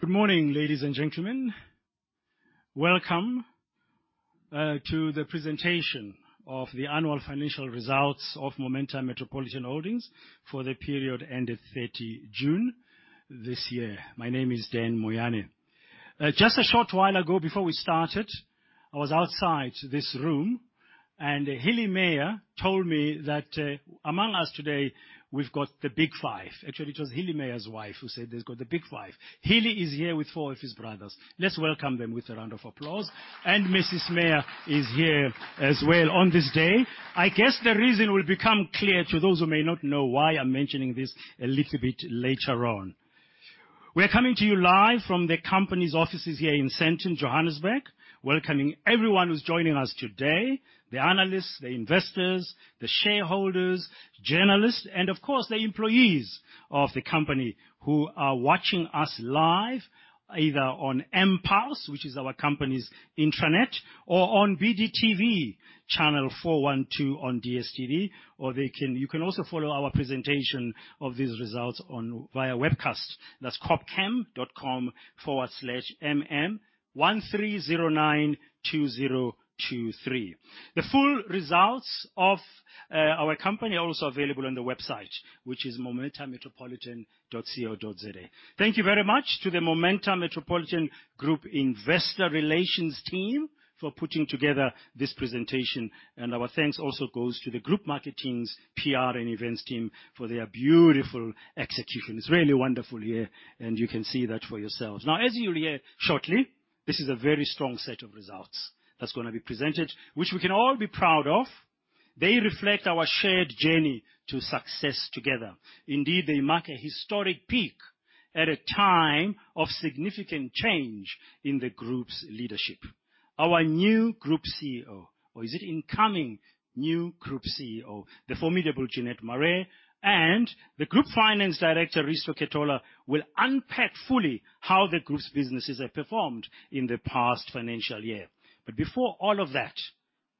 Good morning, ladies and gentlemen. Welcome to the presentation of the annual financial results of Momentum Metropolitan Holdings for the period ended 30 June this year. My name is Dan Moyane. Just a short while ago, before we started, I was outside this room, and Hillie Meyer told me that, among us today, we've got the Big Five. Actually, it was Hillie Meyer's wife who said they've got the Big Five. Hillie is here with four of his brothers. Let's welcome them with a round of applause. Mrs. Meyer is here as well on this day. I guess the reason will become clear to those who may not know why I'm mentioning this a little bit later on. We're coming to you live from the company's offices here in Sandton, Johannesburg, welcoming everyone who's joining us today, the analysts, the investors, the shareholders, journalists, and of course, the employees of the company who are watching us live, either on MPulse, which is our company's intranet, or on DStv, channel 412 on DStv, or they can... You can also follow our presentation of these results on, via webcast. That's corpcam.com/mm01392023. The full results of our company are also available on the website, which is momentummetropolitan.co.za. Thank you very much to the Momentum Metropolitan Group Investor Relations team for putting together this presentation, and our thanks also goes to the group marketing's PR and events team for their beautiful execution. It's really wonderful here, and you can see that for yourselves. Now, as you'll hear shortly, this is a very strong set of results that's gonna be presented, which we can all be proud of. They reflect our shared journey to success together. Indeed, they mark a historic peak at a time of significant change in the group's leadership. Our new Group CEO, or is it incoming new Group CEO, the formidable Jeanette Marais, and the Group Finance Director, Risto Ketola, will unpack fully how the group's businesses have performed in the past financial year. But before all of that,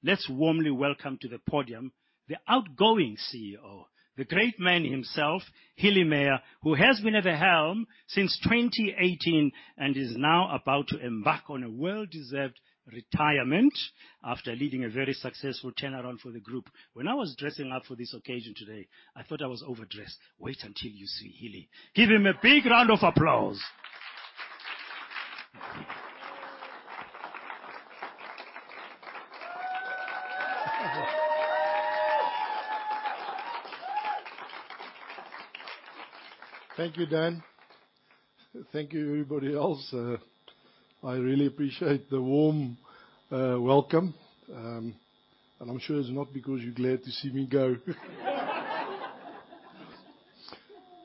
let's warmly welcome to the podium the outgoing CEO, the great man himself, Hillie Meyer, who has been at the helm since 2018, and is now about to embark on a well-deserved retirement after leading a very successful turnaround for the group. When I was dressing up for this occasion today, I thought I was overdressed. Wait until you see Hillie. Give him a big round of applause. Thank you, Dan. Thank you, everybody else. I really appreciate the warm welcome, and I'm sure it's not because you're glad to see me go.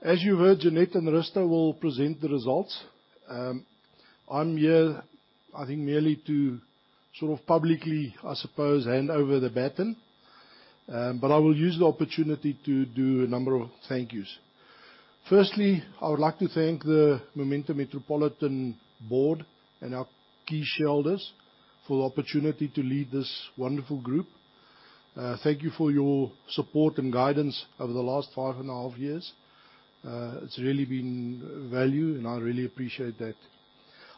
As you heard, Jeanette and Risto will present the results. I'm here, I think, merely to sort of publicly, I suppose, hand over the baton. But I will use the opportunity to do a number of thank yous. Firstly, I would like to thank the Momentum Metropolitan Board and our key shareholders for the opportunity to lead this wonderful group. Thank you for your support and guidance over the last five and a half years. It's really been valuable, and I really appreciate that.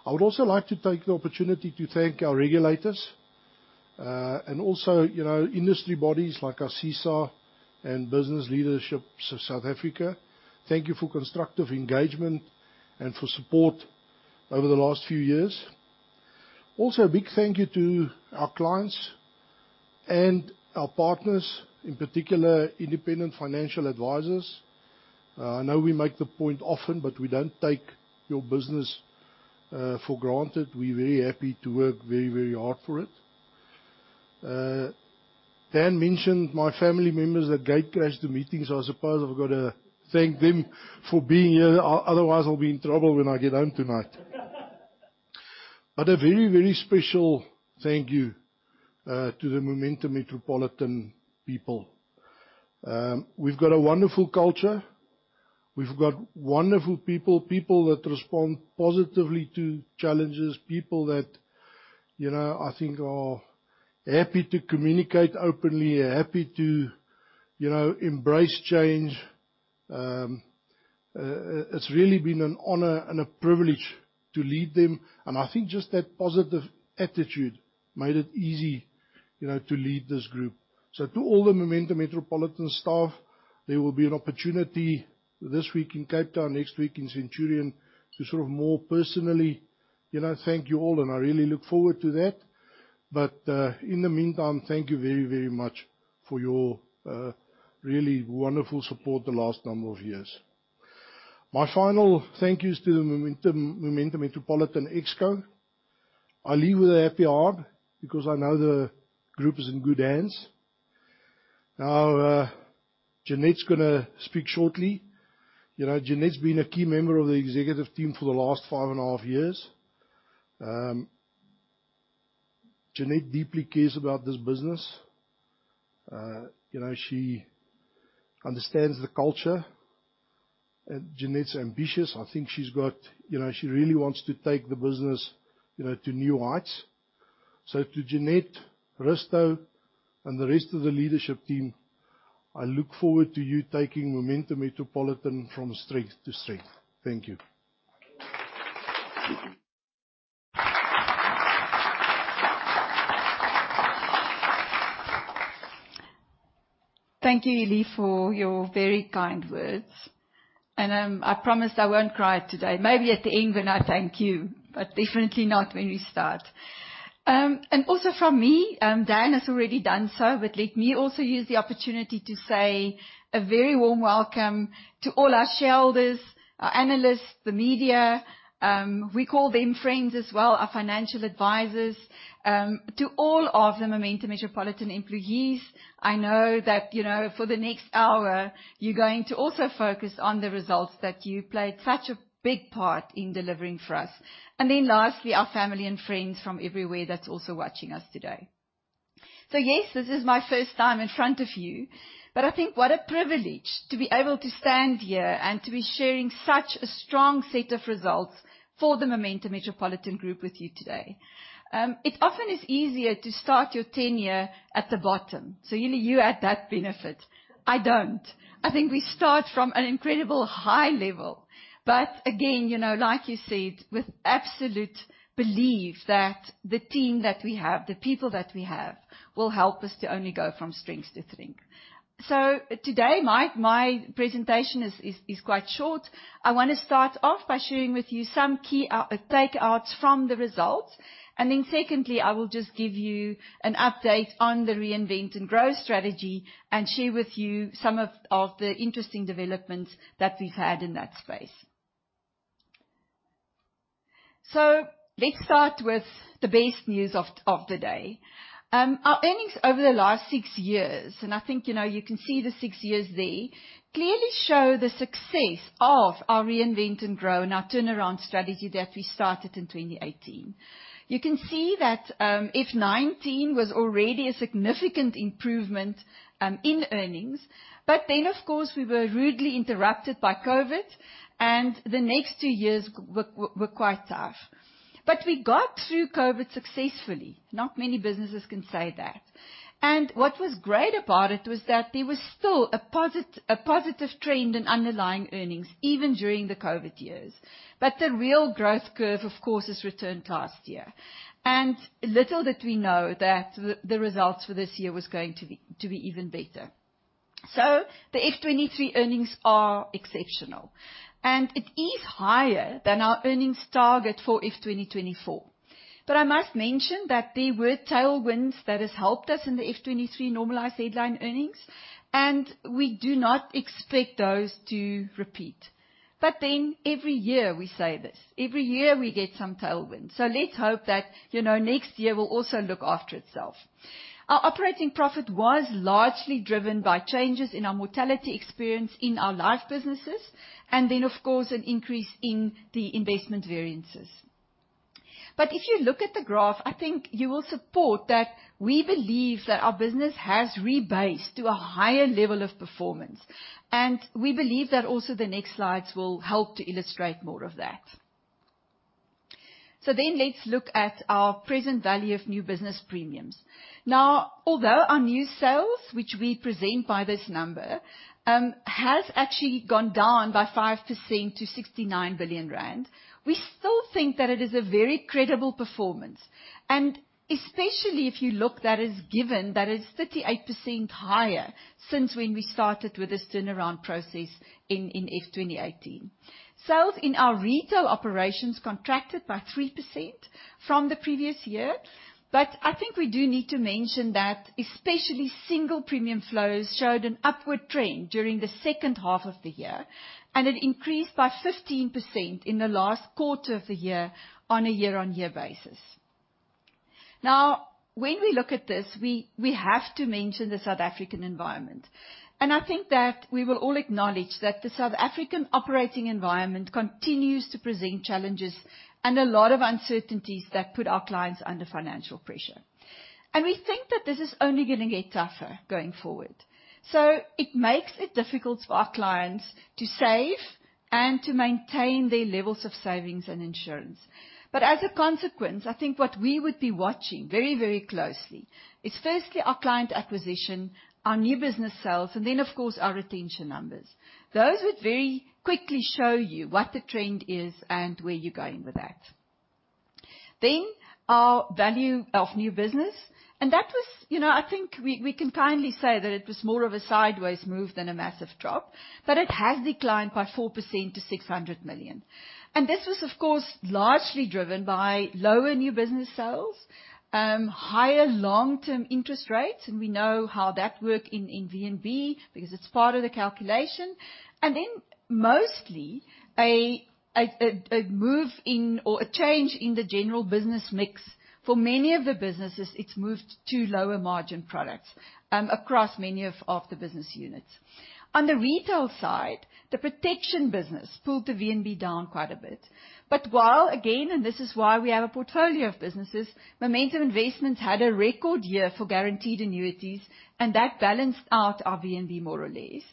I would also like to take the opportunity to thank our regulators and also, you know, industry bodies like ASISA and Business Leadership South Africa. Thank you for constructive engagement and for support over the last few years. Also, a big thank you to our clients and our partners, in particular, independent financial advisors. I know we make the point often, but we don't take your business for granted. We're very happy to work very, very hard for it. Dan mentioned my family members that gate crashed the meeting, so I suppose I've got to thank them for being here. Otherwise, I'll be in trouble when I get home tonight. But a very, very special thank you to the Momentum Metropolitan people. We've got a wonderful culture. We've got wonderful people, people that respond positively to challenges, people that, you know, I think are happy to communicate openly, happy to, you know, embrace change. It's really been an honor and a privilege to lead them, and I think just that positive attitude made it easy, you know, to lead this group. So to all the Momentum Metropolitan staff, there will be an opportunity this week in Cape Town, next week in Centurion, to sort of more personally, you know, thank you all, and I really look forward to that. But, in the meantime, thank you very, very much for your, really wonderful support the last number of years. My final thank you is to the Momentum Metropolitan ExCo. I leave with a happy heart because I know the group is in good hands. Now, Jeanette's gonna speak shortly. You know, Jeanette's been a key member of the executive team for the last five and a half years. Jeanette deeply cares about this business. You know, she understands the culture, and Jeanette's ambitious. I think she's got... You know, she really wants to take the business, you know, to new heights. So to Jeanette, Risto, and the rest of the leadership team.... I look forward to you taking Momentum Metropolitan from strength to strength. Thank you. Thank you, Hillie, for your very kind words. I promise I won't cry today. Maybe at the end when I thank you, but definitely not when we start. Also from me, Dan has already done so, but let me also use the opportunity to say a very warm welcome to all our shareholders, our analysts, the media, we call them friends as well, our financial advisors. To all of the Momentum Metropolitan employees, I know that, you know, for the next hour, you're going to also focus on the results that you played such a big part in delivering for us. Then lastly, our family and friends from everywhere that's also watching us today. So, yes, this is my first time in front of you, but I think what a privilege to be able to stand here and to be sharing such a strong set of results for the Momentum Metropolitan Group with you today. It often is easier to start your tenure at the bottom, so, Hillie, you had that benefit. I don't. I think we start from an incredible high level, but again, you know, like you said, with absolute belief that the team that we have, the people that we have, will help us to only go from strength to strength. So today, my presentation is quite short. I wanna start off by sharing with you some key takeouts from the results. And then secondly, I will just give you an update on the Reinvent and Grow strategy, and share with you some of the interesting developments that we've had in that space. So let's start with the best news of the day. Our earnings over the last six years, and I think, you know, you can see the six years there, clearly show the success of our Reinvent and Grow and our turnaround strategy that we started in 2018. You can see that, F 19 was already a significant improvement in earnings. But then, of course, we were rudely interrupted by COVID, and the next two years were quite tough. But we got through COVID successfully. Not many businesses can say that. What was great about it was that there was still a positive trend in underlying earnings, even during the COVID years. But the real growth curve, of course, has returned last year, and little did we know that the results for this year was going to be even better. So the FY 2023 earnings are exceptional, and it is higher than our earnings target for FY 2024. But I must mention that there were tailwinds that has helped us in the FY 2023 normalized headline earnings, and we do not expect those to repeat. But then every year we say this, every year we get some tailwind. So let's hope that, you know, next year will also look after itself. Our operating profit was largely driven by changes in our mortality experience in our life businesses, and then, of course, an increase in the investment variances. But if you look at the graph, I think you will support that we believe that our business has rebased to a higher level of performance, and we believe that also the next slides will help to illustrate more of that. So then let's look at our present value of new business premiums. Now, although our new sales, which we present by this number, has actually gone down by 5% to 69 billion rand, we still think that it is a very credible performance, and especially if you look, that is given, that is 38% higher since when we started with this turnaround process in FY 2018. Sales in our retail operations contracted by 3% from the previous year. But I think we do need to mention that especially single premium flows showed an upward trend during the second half of the year, and it increased by 15% in the last quarter of the year on a year-on-year basis. Now, when we look at this, we have to mention the South African environment, and I think that we will all acknowledge that the South African operating environment continues to present challenges and a lot of uncertainties that put our clients under financial pressure. We think that this is only gonna get tougher going forward. So it makes it difficult for our clients to save and to maintain their levels of savings and insurance. But as a consequence, I think what we would be watching very, very closely is firstly our client acquisition, our new business sales, and then of course, our retention numbers. Those would very quickly show you what the trend is and where you're going with that. Then our value of new business, and that was... You know, I think we can kindly say that it was more of a sideways move than a massive drop, but it has declined by 4% to 600 million. And this was, of course, largely driven by lower new business sales, higher long-term interest rates, and we know how that work in, in VNB because it's part of the calculation. And then mostly a move in or a change in the general business mix. For many of the businesses, it's moved to lower margin products, across many of the business units. On the retail side, the protection business pulled the VNB down quite a bit. But while, again, and this is why we have a portfolio of businesses, Momentum Investments had a record year for guaranteed annuities, and that balanced out our VNB more or less.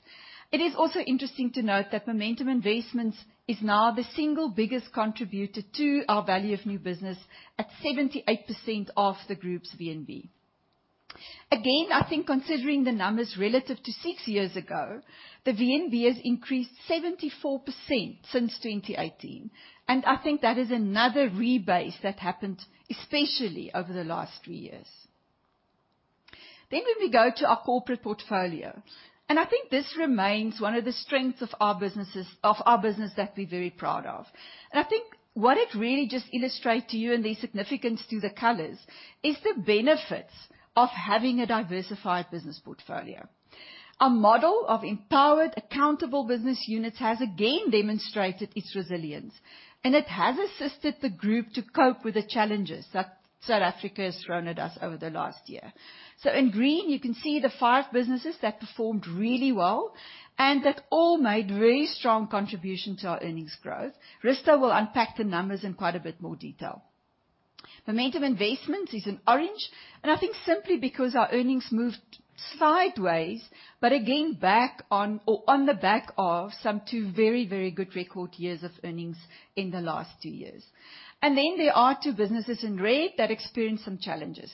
It is also interesting to note that Momentum Investments is now the single biggest contributor to our value of new business at 78% of the group's VNB. Again, I think considering the numbers relative to six years ago, the VNB has increased 74% since 2018, and I think that is another rebase that happened, especially over the last three years. Then when we go to our corporate portfolio, and I think this remains one of the strengths of our businesses, of our business that we're very proud of. I think what it really just illustrates to you, and the significance to the colors, is the benefits of having a diversified business portfolio. Our model of empowered, accountable business units has again demonstrated its resilience, and it has assisted the group to cope with the challenges that South Africa has thrown at us over the last year. In green you can see the five businesses that performed really well and that all made very strong contribution to our earnings growth. Risto will unpack the numbers in quite a bit more detail. Momentum Investments is in orange, and I think simply because our earnings moved sideways, but again, back on or on the back of some two very, very good record years of earnings in the last two years. And then there are two businesses in red that experienced some challenges.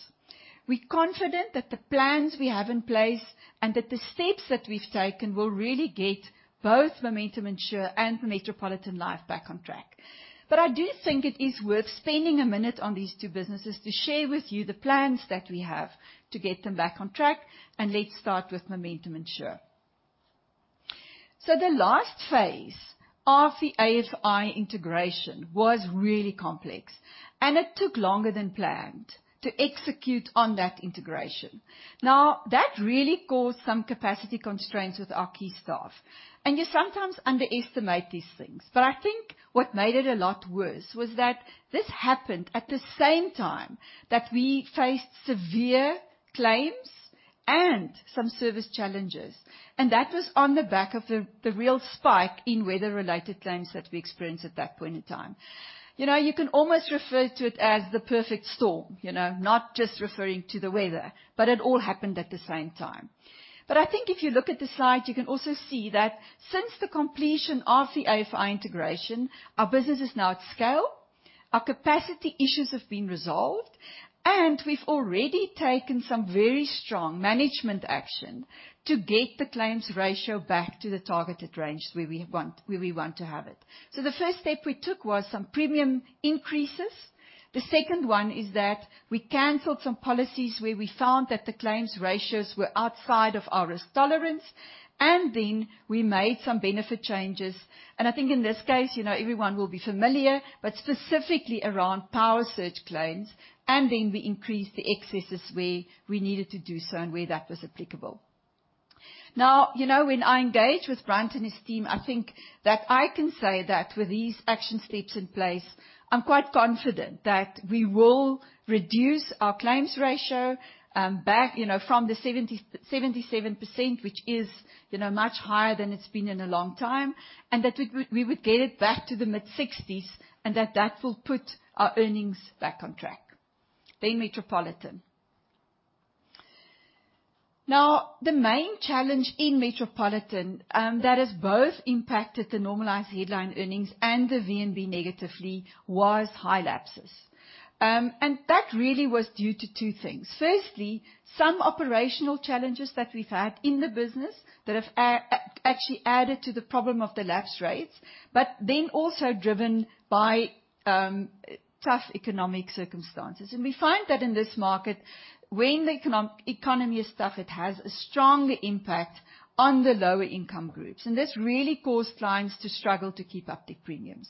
We're confident that the plans we have in place and that the steps that we've taken will really get both Momentum Insure and Metropolitan Life back on track. But I do think it is worth spending a minute on these two businesses to share with you the plans that we have to get them back on track. And let's start with Momentum Insure. So the last phase of the AFI integration was really complex, and it took longer than planned to execute on that integration. Now, that really caused some capacity constraints with our key staff, and you sometimes underestimate these things. But I think what made it a lot worse was that this happened at the same time that we faced severe claims and some service challenges, and that was on the back of the real spike in weather-related claims that we experienced at that point in time. You know, you can almost refer to it as the perfect storm. You know, not just referring to the weather, but it all happened at the same time. But I think if you look at the slide, you can also see that since the completion of the AFI integration, our business is now at scale, our capacity issues have been resolved, and we've already taken some very strong management action to get the claims ratio back to the targeted range where we want, where we want to have it. So the first step we took was some premium increases. The second one is that we canceled some policies where we found that the claims ratios were outside of our risk tolerance, and then we made some benefit changes. I think in this case, you know, everyone will be familiar, but specifically around power surge claims. Then we increased the excesses where we needed to do so and where that was applicable. Now, you know, when I engage with Grant and his team, I think that I can say that with these action steps in place, I'm quite confident that we will reduce our claims ratio back, you know, from the 77%, which is, you know, much higher than it's been in a long time. And that we would get it back to the mid-60s and that that will put our earnings back on track. Then Metropolitan. Now, the main challenge in Metropolitan that has both impacted the normalized headline earnings and the VNB negatively was high lapses. And that really was due to two things. Firstly, some operational challenges that we've had in the business that have actually added to the problem of the lapse rates, but then also driven by tough economic circumstances. We find that in this market, when the economy is tough, it has a stronger impact on the lower income groups, and this really caused clients to struggle to keep up the premiums.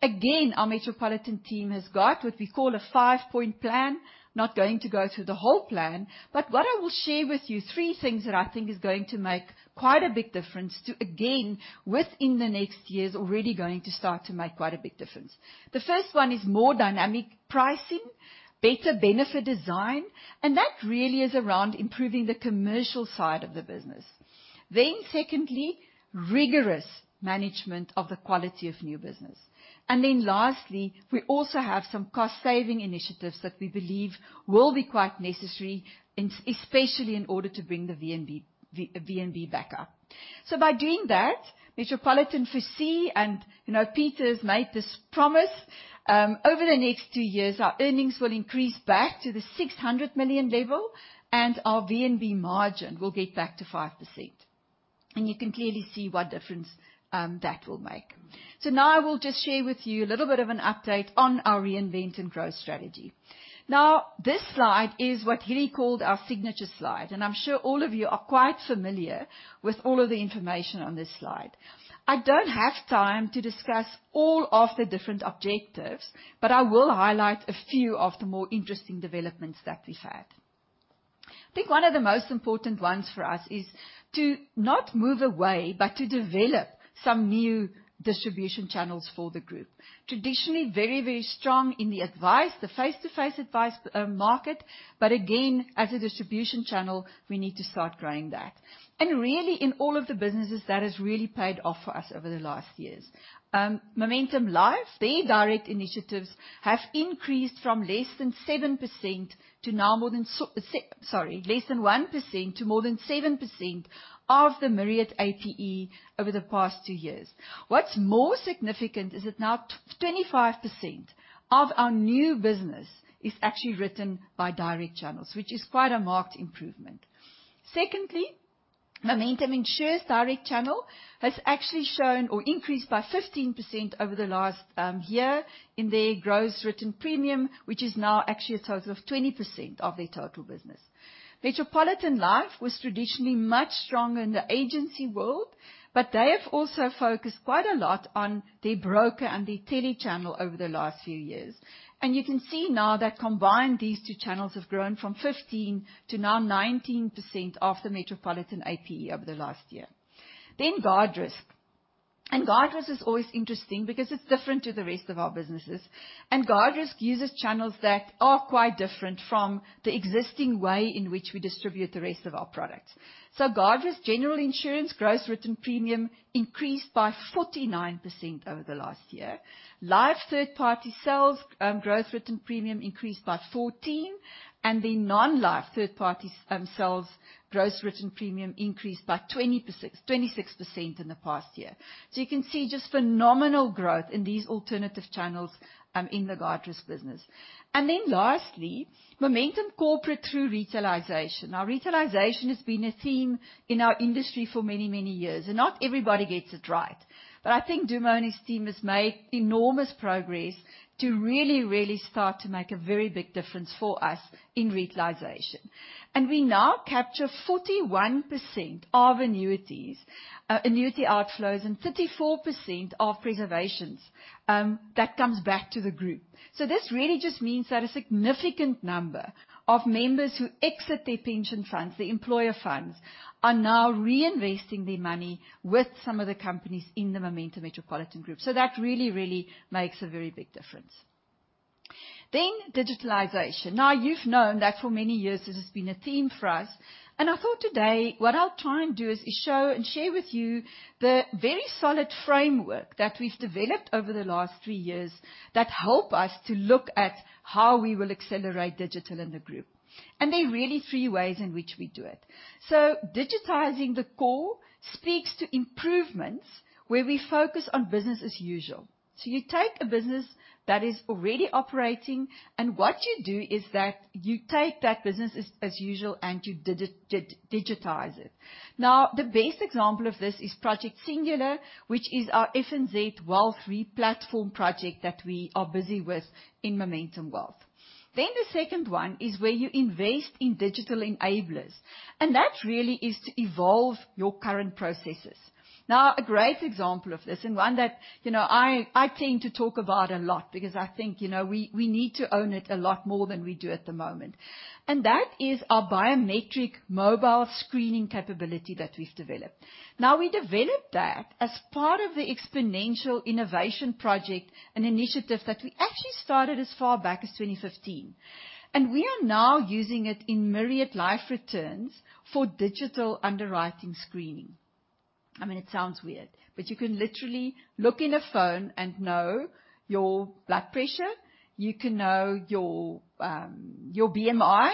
Again, our Metropolitan team has got what we call a five-point plan. Not going to go through the whole plan, but what I will share with you, three things that I think is going to make quite a big difference to, again, within the next years, already going to start to make quite a big difference. The first one is more dynamic pricing, better benefit design, and that really is around improving the commercial side of the business. Then secondly, rigorous management of the quality of new business. Then lastly, we also have some cost-saving initiatives that we believe will be quite necessary in, especially in order to bring the VNB, the VNB back up. So by doing that, Metropolitan foresee and, you know, Peter has made this promise, over the next two years, our earnings will increase back to the 600 million level and our VNB margin will get back to 5%. And you can clearly see what difference, that will make. So now I will just share with you a little bit of an update on our reinvent and growth strategy. Now, this slide is what Hillie called our signature slide, and I'm sure all of you are quite familiar with all of the information on this slide. I don't have time to discuss all of the different objectives, but I will highlight a few of the more interesting developments that we've had. I think one of the most important ones for us is to not move away, but to develop some new distribution channels for the group. Traditionally very, very strong in the advice, the face-to-face advice, market. But again, as a distribution channel, we need to start growing that. And really, in all of the businesses, that has really paid off for us over the last years. Momentum Life, their direct initiatives have increased from less than 1% to now more than 7% of the Myriad APE over the past two years. What's more significant is that now 25% of our new business is actually written by direct channels, which is quite a marked improvement. Secondly, Momentum Insure's direct channel has actually shown or increased by 15% over the last year in their gross written premium, which is now actually a total of 20% of their total business. Metropolitan Life was traditionally much stronger in the agency world, but they have also focused quite a lot on their broker and their tele channel over the last few years. And you can see now that combined, these two channels have grown from 15 to now 19% of the Metropolitan APE over the last year. Then Guardrisk. Guardrisk is always interesting because it's different to the rest of our businesses, and Guardrisk uses channels that are quite different from the existing way in which we distribute the rest of our products. So Guardrisk general insurance gross written premium increased by 49% over the last year. Life third-party sales, gross written premium increased by 14, and the non-life third-party, sales gross written premium increased by 20%, 26% in the past year. So you can see just phenomenal growth in these alternative channels, in the Guardrisk business. And then lastly, Momentum Corporate through retailization. Now, retailization has been a theme in our industry for many, many years, and not everybody gets it right. But I think Dumo's team has made enormous progress to really, really start to make a very big difference for us in retailization. We now capture 41% of annuities, annuity outflows, and 34% of preservations that comes back to the group. So this really just means that a significant number of members who exit their pension funds, the employer funds, are now reinvesting their money with some of the companies in the Momentum Metropolitan Group. So that really, really makes a very big difference. Then, digitalization. Now, you've known that for many years, this has been a theme for us, and I thought today what I'll try and do is show and share with you the very solid framework that we've developed over the last three years that help us to look at how we will accelerate digital in the group. And there are really three ways in which we do it. So digitizing the core speaks to improvements where we focus on business as usual. So you take a business that is already operating, and what you do is that you take that business as usual and you digitize it. Now, the best example of this is Project Singular, which is our FNZ wealth replatform project that we are busy with in Momentum Wealth. Then the second one is where you invest in digital enablers, and that really is to evolve your current processes. Now, a great example of this, and one that, you know, I tend to talk about a lot because I think, you know, we need to own it a lot more than we do at the moment, and that is our biometric mobile screening capability that we've developed. Now, we developed that as part of the Exponential Innovation Project, an initiative that we actually started as far back as 2015, and we are now using it in Myriad Life Returns for digital underwriting screening. I mean, it sounds weird, but you can literally look in a phone and know your blood pressure, you can know your, your BMI.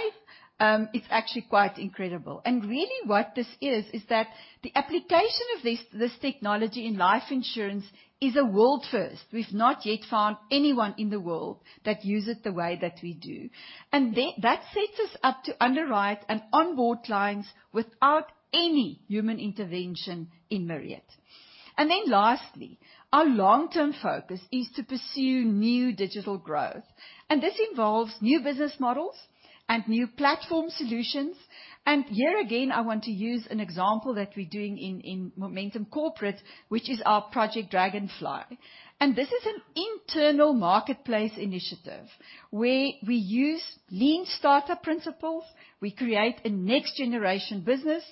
It's actually quite incredible. And really what this is, is that the application of this, this technology in life insurance is a world first. We've not yet found anyone in the world that use it the way that we do. And then that sets us up to underwrite and onboard clients without any human intervention in Myriad. And then lastly, our long-term focus is to pursue new digital growth, and this involves new business models and new platform solutions. Here again, I want to use an example that we're doing in Momentum Corporate, which is our Project Dragonfly. This is an internal marketplace initiative where we use lean startup principles, we create a next generation business,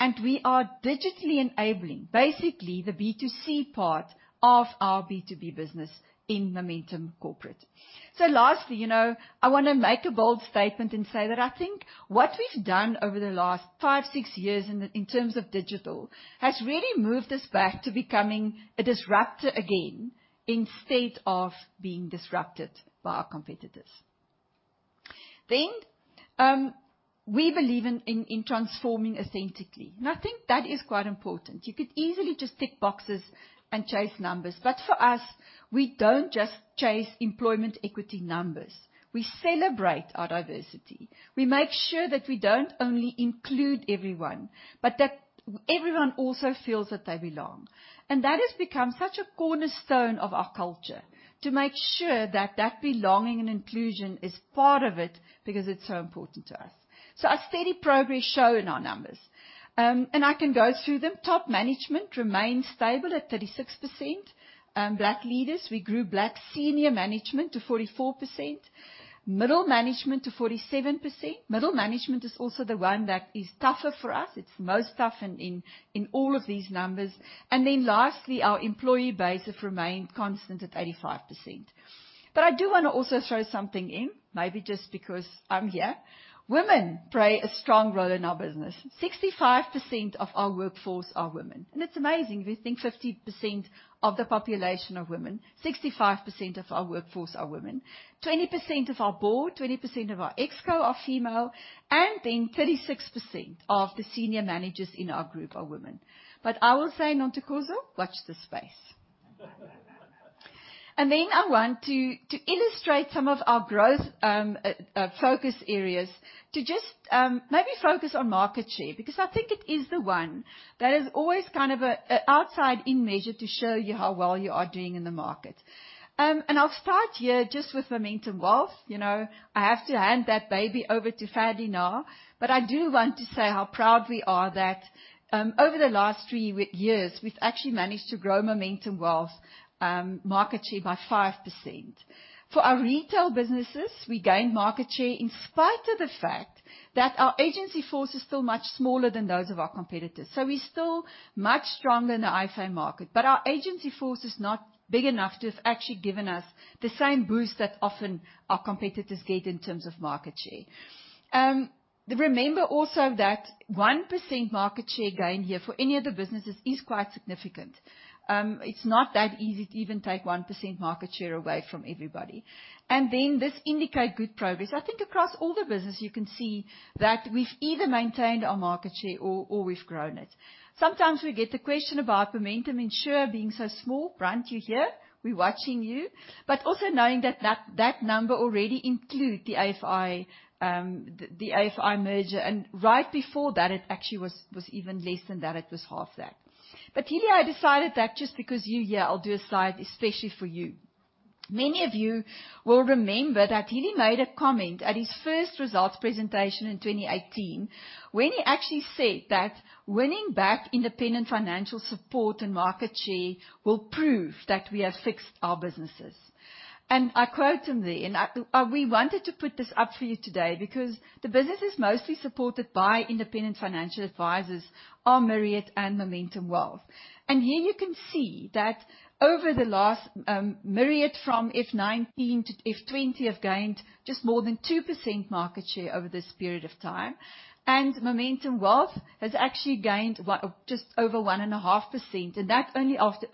and we are digitally enabling basically the B2C part of our B2B business in Momentum Corporate. Lastly, you know, I wanna make a bold statement and say that I think what we've done over the last 5, 6 years in terms of digital has really moved us back to becoming a disruptor again, instead of being disrupted by our competitors. We believe in transforming authentically, and I think that is quite important. You could easily just tick boxes and chase numbers, but for us, we don't just chase employment equity numbers. We celebrate our diversity. We make sure that we don't only include everyone, but that everyone also feels that they belong. And that has become such a cornerstone of our culture to make sure that that belonging and inclusion is part of it because it's so important to us. So our steady progress show in our numbers, and I can go through them. Top management remains stable at 36%. Black leaders, we grew Black senior management to 44%, middle management to 47%. Middle management is also the one that is tougher for us. It's most tough in all of these numbers. And then lastly, our employee base have remained constant at 85%. But I do wanna also throw something in, maybe just because I'm here. Women play a strong role in our business. 65% of our workforce are women, and it's amazing. We think 50% of the population are women. 65% of our workforce are women. 20% of our board, 20% of our ExCo are female, and then 36% of the senior managers in our group are women. But I will say, Ntokozo, watch this space. And then I want to illustrate some of our growth focus areas to just maybe focus on market share, because I think it is the one that is always kind of a outside-in measure to show you how well you are doing in the market. And I'll start here just with Momentum Wealth. You know, I have to hand that baby over to Ferdi now, but I do want to say how proud we are that, over the last three years, we've actually managed to grow Momentum Wealth market share by 5%. For our retail businesses, we gained market share in spite of the fact that our agency force is still much smaller than those of our competitors. So we're still much stronger in the IFA market, but our agency force is not big enough to have actually given us the same boost that often our competitors get in terms of market share. Remember also that 1% market share gain here for any of the businesses is quite significant. It's not that easy to even take 1% market share away from everybody. And then this indicate good progress. I think across all the business, you can see that we've either maintained our market share or we've grown it. Sometimes we get the question about Momentum Insure being so small. Brand, you're here, we're watching you. But also knowing that that number already include the AFI merger, and right before that, it actually was even less than that. It was half that. But, Hillie, I decided that just because you're here, I'll do a slide especially for you. Many of you will remember that Hillie made a comment at his first results presentation in 2018, when he actually said that winning back independent financial support and market share will prove that we have fixed our businesses. And I quote him there, and I, we wanted to put this up for you today because the business is mostly supported by independent financial advisors, are Myriad and Momentum Wealth. And here you can see that over the last, Myriad, from FY19-FY20, have gained just more than 2% market share over this period of time. And Momentum Wealth has actually gained just over 1.5%, and that's only after,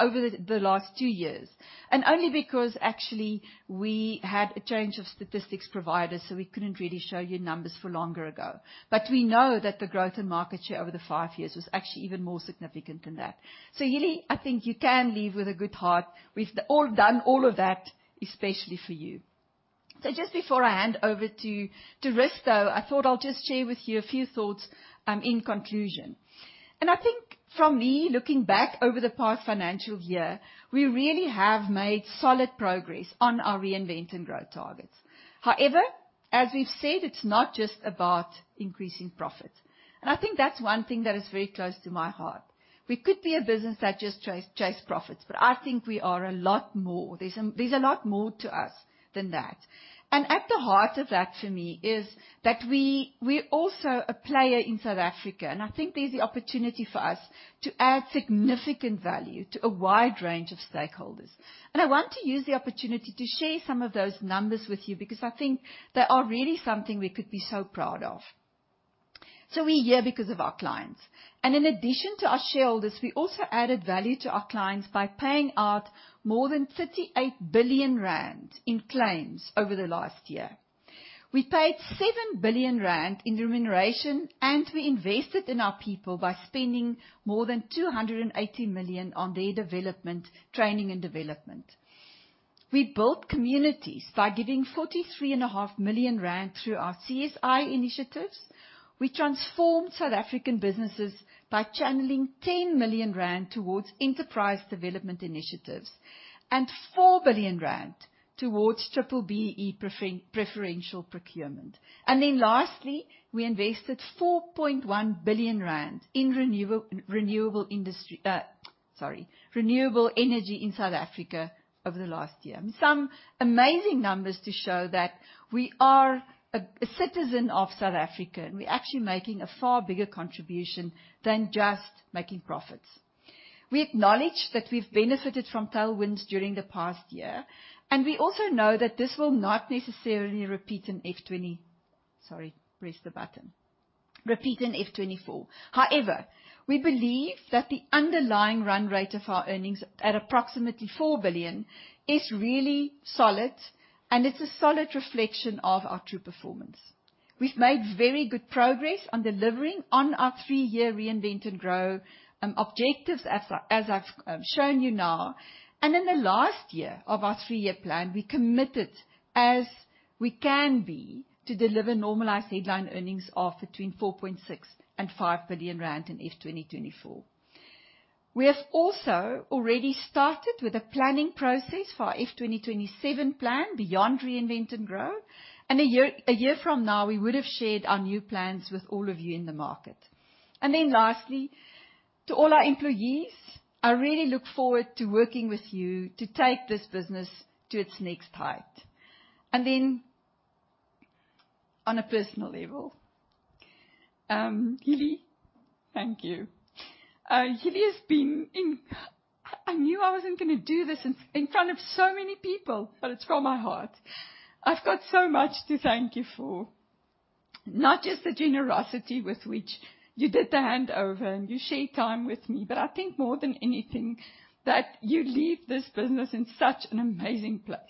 over the last two years, and only because actually we had a change of statistics providers, so we couldn't really show you numbers for longer ago. But we know that the growth in market share over the 5 years was actually even more significant than that. So, Hillie, I think you can leave with a good heart. We've all done all of that, especially for you. Just before I hand over to Risto, I thought I'll just share with you a few thoughts in conclusion. I think for me, looking back over the past financial year, we really have made solid progress on our reinvent and growth targets. However, as we've said, it's not just about increasing profits. I think that's one thing that is very close to my heart. We could be a business that just chase profits, but I think we are a lot more. There's a lot more to us than that. At the heart of that, for me, is that we, we're also a player in South Africa, and I think there's the opportunity for us to add significant value to a wide range of stakeholders. I want to use the opportunity to share some of those numbers with you, because I think they are really something we could be so proud of. We're here because of our clients, and in addition to our shareholders, we also added value to our clients by paying out more than 38 billion rand in claims over the last year. We paid 7 billion rand in remuneration, and we invested in our people by spending more than 280 million on their development, training and development. We built communities by giving 43.5 million rand through our CSI initiatives. We transformed South African businesses by channeling 10 million rand towards enterprise development initiatives and 4 billion rand towards B-BBEE preferential procurement. Then lastly, we invested 4.1 billion rand in renewable energy in South Africa over the last year. Sorry, some amazing numbers to show that we are a citizen of South Africa, and we're actually making a far bigger contribution than just making profits. We acknowledge that we've benefited from tailwinds during the past year, and we also know that this will not necessarily repeat in FY2024. Sorry, pressed the button. However, we believe that the underlying run rate of our earnings at approximately 4 billion is really solid, and it's a solid reflection of our true performance. We've made very good progress on delivering on our three-year reinvent and grow objectives, as I've shown you now. In the last year of our three-year plan, we committed, as we can be, to deliver normalized headline earnings of between 4.6 billion and 5 billion rand in FY 2024. We have also already started with a planning process for our FY 2027 plan beyond reinvent and grow. And a year, a year from now, we would have shared our new plans with all of you in the market. And then lastly, to all our employees, I really look forward to working with you to take this business to its next height. And then on a personal level, Hillie, thank you. Hillie has been in... I, I knew I wasn't gonna do this in, in front of so many people, but it's from my heart. I've got so much to thank you for. Not just the generosity with which you did the handover and you shared time with me, but I think more than anything, that you leave this business in such an amazing place.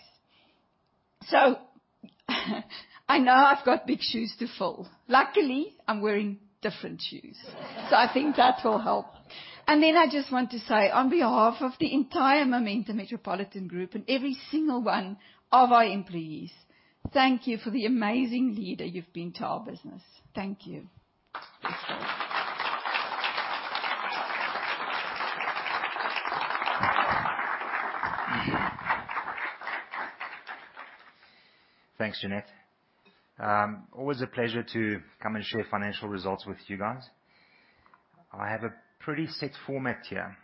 So, I know I've got big shoes to fill. Luckily, I'm wearing different shoes. So I think that will help. And then I just want to say, on behalf of the entire Momentum Metropolitan Group, and every single one of our employees, thank you for the amazing leader you've been to our business. Thank you. Thanks, Jeanette. Always a pleasure to come and share financial results with you guys. I have a pretty set format here,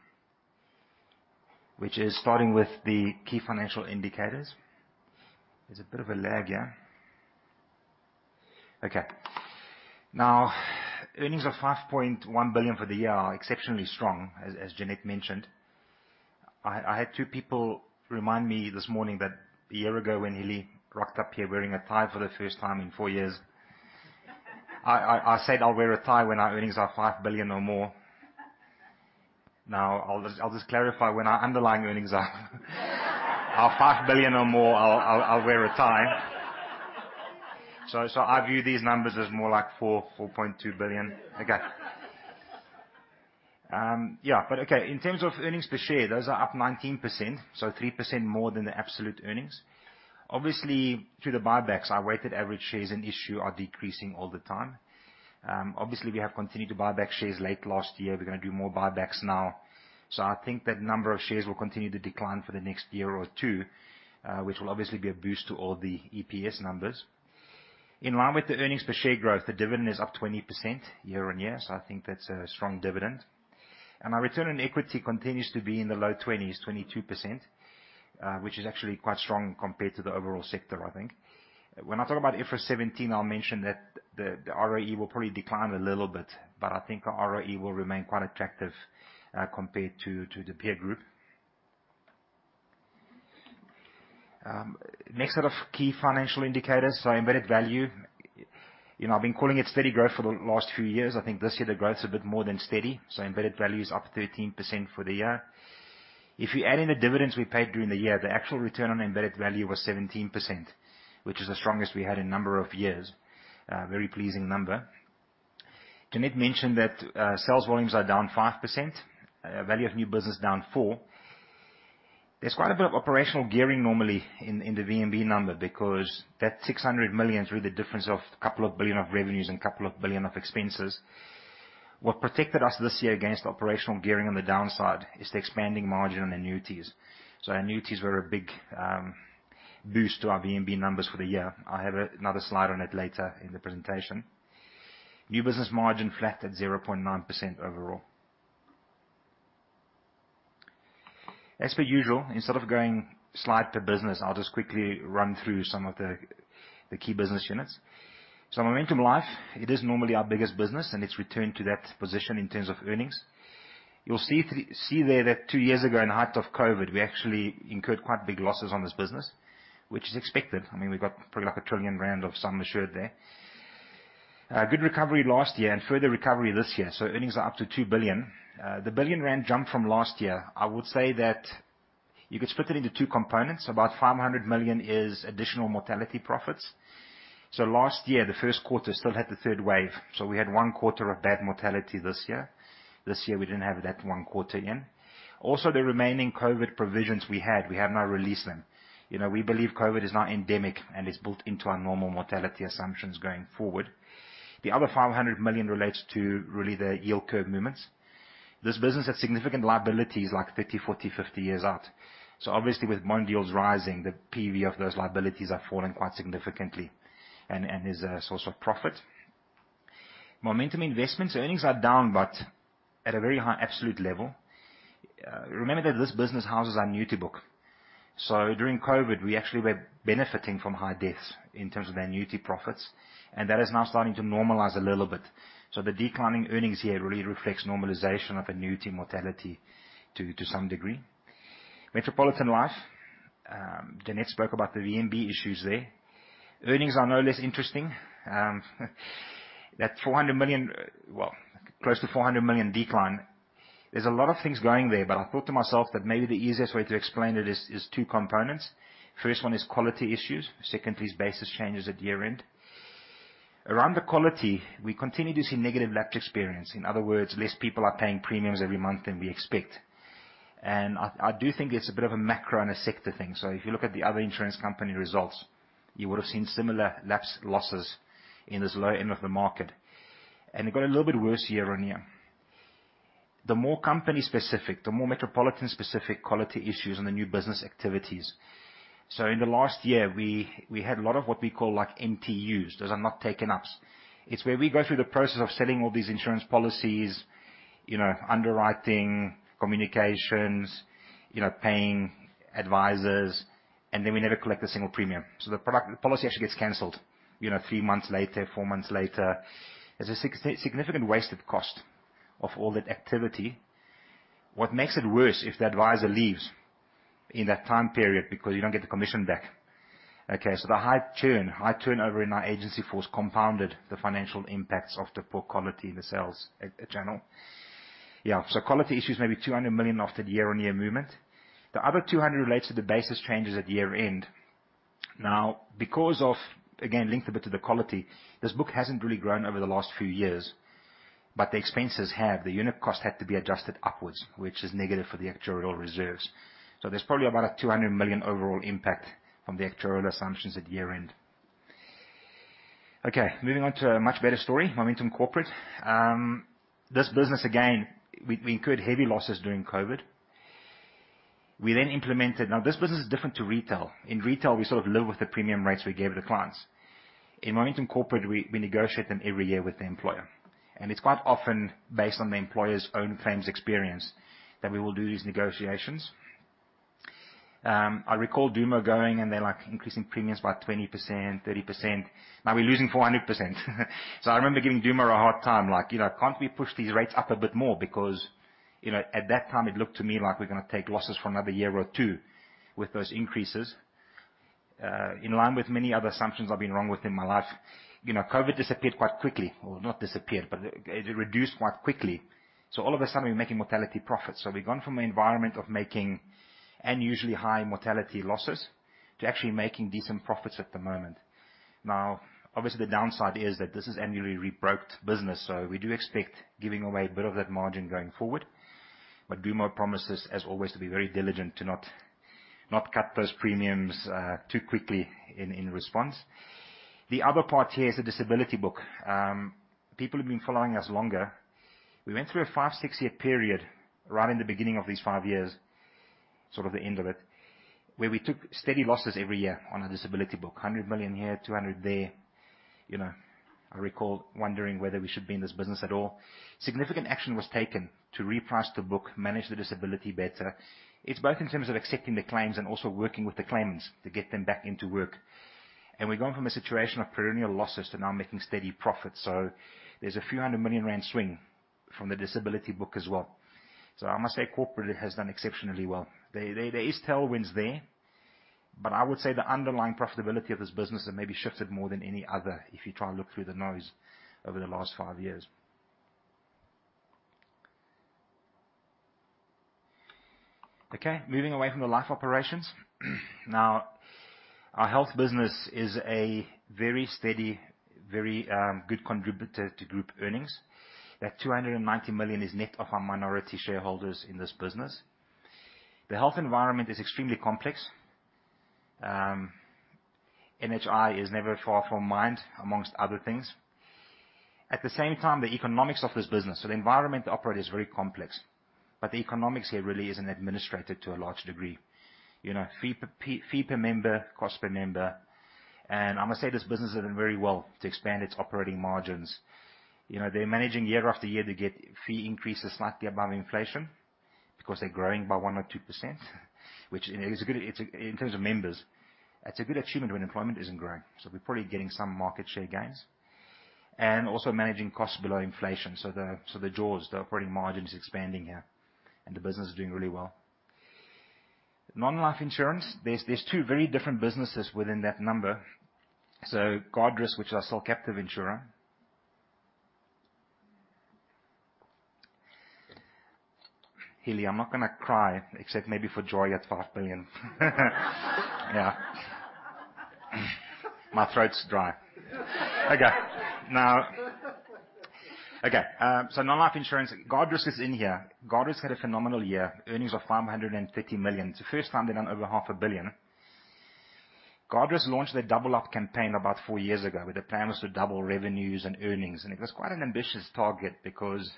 which is starting with the key financial indicators. There's a bit of a lag here. Okay. Now, earnings of 5.1 billion for the year are exceptionally strong, as Jeanette mentioned. I had two people remind me this morning that a year ago, when Willie rocked up here wearing a tie for the first time in four years, I said, "I'll wear a tie when our earnings are 5 billion or more." Now, I'll just clarify, when our underlying earnings are 5 billion or more, I'll wear a tie. So I view these numbers as more like 4.2 billion. Okay. Yeah, but okay, in terms of earnings per share, those are up 19%, so 3% more than the absolute earnings. Obviously, through the buybacks, our weighted average shares in issue are decreasing all the time. Obviously, we have continued to buy back shares late last year. We're gonna do more buybacks now. So I think that number of shares will continue to decline for the next year or two, which will obviously be a boost to all the EPS numbers. In line with the earnings per share growth, the dividend is up 20% year on year, so I think that's a strong dividend. And our return on equity continues to be in the low twenties, 22%, which is actually quite strong compared to the overall sector, I think. When I talk about IFRS 17, I'll mention that the ROE will probably decline a little bit, but I think our ROE will remain quite attractive, compared to the peer group. Next set of key financial indicators, so embedded value. You know, I've been calling it steady growth for the last few years. I think this year the growth is a bit more than steady, so embedded value is up 13% for the year. If you add in the dividends we paid during the year, the actual return on embedded value was 17%, which is the strongest we had in a number of years. A very pleasing number. Jeanette mentioned that sales volumes are down 5%, value of new business down 4%. There's quite a bit of operational gearing normally in the VNB number, because that 600 million is really the difference of a couple of billion of revenues and a couple of billion of expenses. What protected us this year against operational gearing on the downside is the expanding margin on annuities. So annuities were a big boost to our VNB numbers for the year. I have another slide on it later in the presentation. New business margin flat at 0.9% overall. As per usual, instead of going slide to business, I'll just quickly run through some of the key business units. So Momentum Life, it is normally our biggest business, and it's returned to that position in terms of earnings. You'll see there that two years ago, in the height of COVID, we actually incurred quite big losses on this business, which is expected. I mean, we've got probably like 1 trillion rand of sum assured there. Good recovery last year and further recovery this year, so earnings are up to 2 billion. The 1 billion rand jump from last year, I would say that you could split it into two components. About 500 million is additional mortality profits. So last year, the first quarter still had the third wave, so we had one quarter of bad mortality this year. This year, we didn't have that one quarter in. Also, the remaining COVID provisions we had, we have now released them. You know, we believe COVID is now endemic and is built into our normal mortality assumptions going forward. The other 500 million relates to really the yield curve movements. This business has significant liabilities, like 30, 40, 50 years out. So obviously, with bond yields rising, the PV of those liabilities have fallen quite significantly and is a source of profit. Momentum Investments, earnings are down, but at a very high absolute level. Remember that this business houses our annuity book. So during COVID, we actually were benefiting from high deaths in terms of annuity profits, and that is now starting to normalize a little bit. So the declining earnings here really reflects normalization of annuity mortality to some degree. Metropolitan Life, Jeanette spoke about the VNB issues there. Earnings are no less interesting. That 400 million, well, close to 400 million decline, there's a lot of things going there, but I thought to myself that maybe the easiest way to explain it is, is two components. First one is quality issues, secondly is basis changes at year-end. Around the quality, we continue to see negative lapse experience. In other words, less people are paying premiums every month than we expect. And I, I do think it's a bit of a macro and a sector thing. So if you look at the other insurance company results, you would have seen similar lapse losses in this low end of the market. And it got a little bit worse year-over-year. The more company-specific, the more Metropolitan-specific quality issues and the new business activities. So in the last year, we, we had a lot of what we call like NTUs. Those are not taken ups. It's where we go through the process of selling all these insurance policies, you know, underwriting, communications, you know, paying advisors, and then we never collect a single premium. So the product, the policy actually gets canceled, you know, three months later, four months later. There's a significant wasted cost of all that activity. What makes it worse, if the advisor leaves in that time period, because you don't get the commission back. Okay, so the high churn, high turnover in our agency force compounded the financial impacts of the poor quality in the sales at general.... Yeah, so quality issues, maybe 200 million after the year-on-year movement. The other 200 million relates to the basis changes at year-end. Now, because of, again, linked a bit to the quality, this book hasn't really grown over the last few years, but the expenses have. The unit cost had to be adjusted upwards, which is negative for the actuarial reserves. So there's probably about 200 million overall impact from the actuarial assumptions at year-end. Okay, moving on to a much better story, Momentum Corporate. This business, again, we incurred heavy losses during COVID. We then implemented. Now, this business is different to retail. In retail, we sort of live with the premium rates we gave the clients. In Momentum Corporate, we negotiate them every year with the employer, and it's quite often based on the employer's own claims experience, that we will do these negotiations. I recall Dumo going, and they're, like, increasing premiums by 20%, 30%. Now we're losing 400%. So I remember giving Dumo a hard time, like, "You know, can't we push these rates up a bit more?" Because, you know, at that time, it looked to me like we're gonna take losses for another year or two with those increases. In line with many other assumptions, I've been wrong with in my life. You know, COVID disappeared quite quickly, or not disappeared, but it reduced quite quickly. So all of a sudden, we're making mortality profits. So we've gone from an environment of making unusually high mortality losses to actually making decent profits at the moment. Now, obviously, the downside is that this is annually rebrokered business, so we do expect giving away a bit of that margin going forward. But Dumo promises, as always, to be very diligent, to not cut those premiums too quickly in response. The other part here is the disability book. People who've been following us longer, we went through a 5-6-year period, right in the beginning of these 5 years, sort of the end of it, where we took steady losses every year on a disability book. 100 million here, 200 there. You know, I recall wondering whether we should be in this business at all. Significant action was taken to reprice the book, manage the disability better. It's both in terms of accepting the claims and also working with the claimants to get them back into work. And we've gone from a situation of perennial losses to now making steady profits, so there's a few hundred million ZAR swing from the disability book as well. So I must say, Corporate has done exceptionally well. There is tailwinds there, but I would say the underlying profitability of this business has maybe shifted more than any other, if you try and look through the noise over the last five years. Okay, moving away from the life operations. Now, our health business is a very steady, very good contributor to group earnings. That 290 million is net of our minority shareholders in this business. The health environment is extremely complex. NHI is never far from mind, among other things. At the same time, the economics of this business, so the environment they operate is very complex, but the economics here really is an administrator to a large degree. You know, fee per member, cost per member, and I must say, this business has done very well to expand its operating margins. You know, they're managing year after year to get fee increases slightly above inflation because they're growing by 1 or 2%, which, you know, is a good... It's a— In terms of members, it's a good achievement when employment isn't growing, so we're probably getting some market share gains. And also managing costs below inflation, so the, so the jaws, the operating margin, is expanding here, and the business is doing really well. Non-life insurance, there's, there's two very different businesses within that number. So Guardrisk, which is our self-captive insurer... Haley, I'm not gonna cry, except maybe for joy at 5 billion. Yeah. My throat's dry. Okay, now... Okay, so non-life insurance, Guardrisk is in here. Guardrisk had a phenomenal year. Earnings of 550 million. It's the first time they've done over 0.5 billion. Guardrisk launched their Double Up campaign about four years ago, where the plan was to double revenues and earnings. It was quite an ambitious target because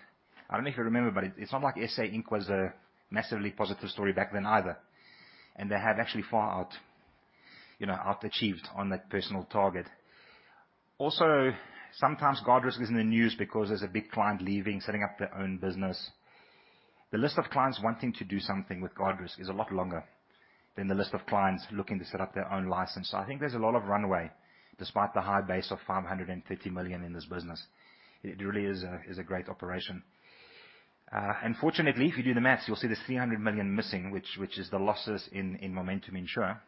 I don't know if you remember, but it's not like SA Inc was a massively positive story back then, either. And they have actually far out, you know, out-achieved on that personal target. Also, sometimes Guardrisk is in the news because there's a big client leaving, setting up their own business. The list of clients wanting to do something with Guardrisk is a lot longer than the list of clients looking to set up their own license. So I think there's a lot of runway, despite the high base of 550 million in this business. It really is a great operation. Unfortunately, if you do the math, you'll see there's 300 million missing, which is the losses in Momentum Insure.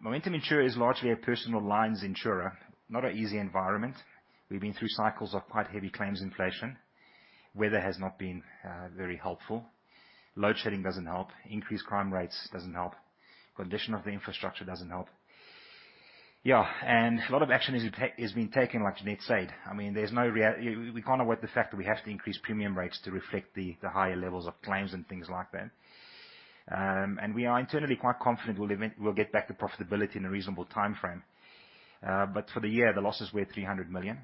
Momentum Insure is largely a personal lines insurer, not an easy environment. We've been through cycles of quite heavy claims inflation. Weather has not been very helpful. Load shedding doesn't help. Increased crime rates doesn't help. Condition of the infrastructure doesn't help. Yeah, and a lot of action is being taken, like Jeanette said. I mean, there's no We can't avoid the fact that we have to increase premium rates to reflect the higher levels of claims and things like that. And we are internally quite confident we'll get back to profitability in a reasonable timeframe. But for the year, the losses were 300 million.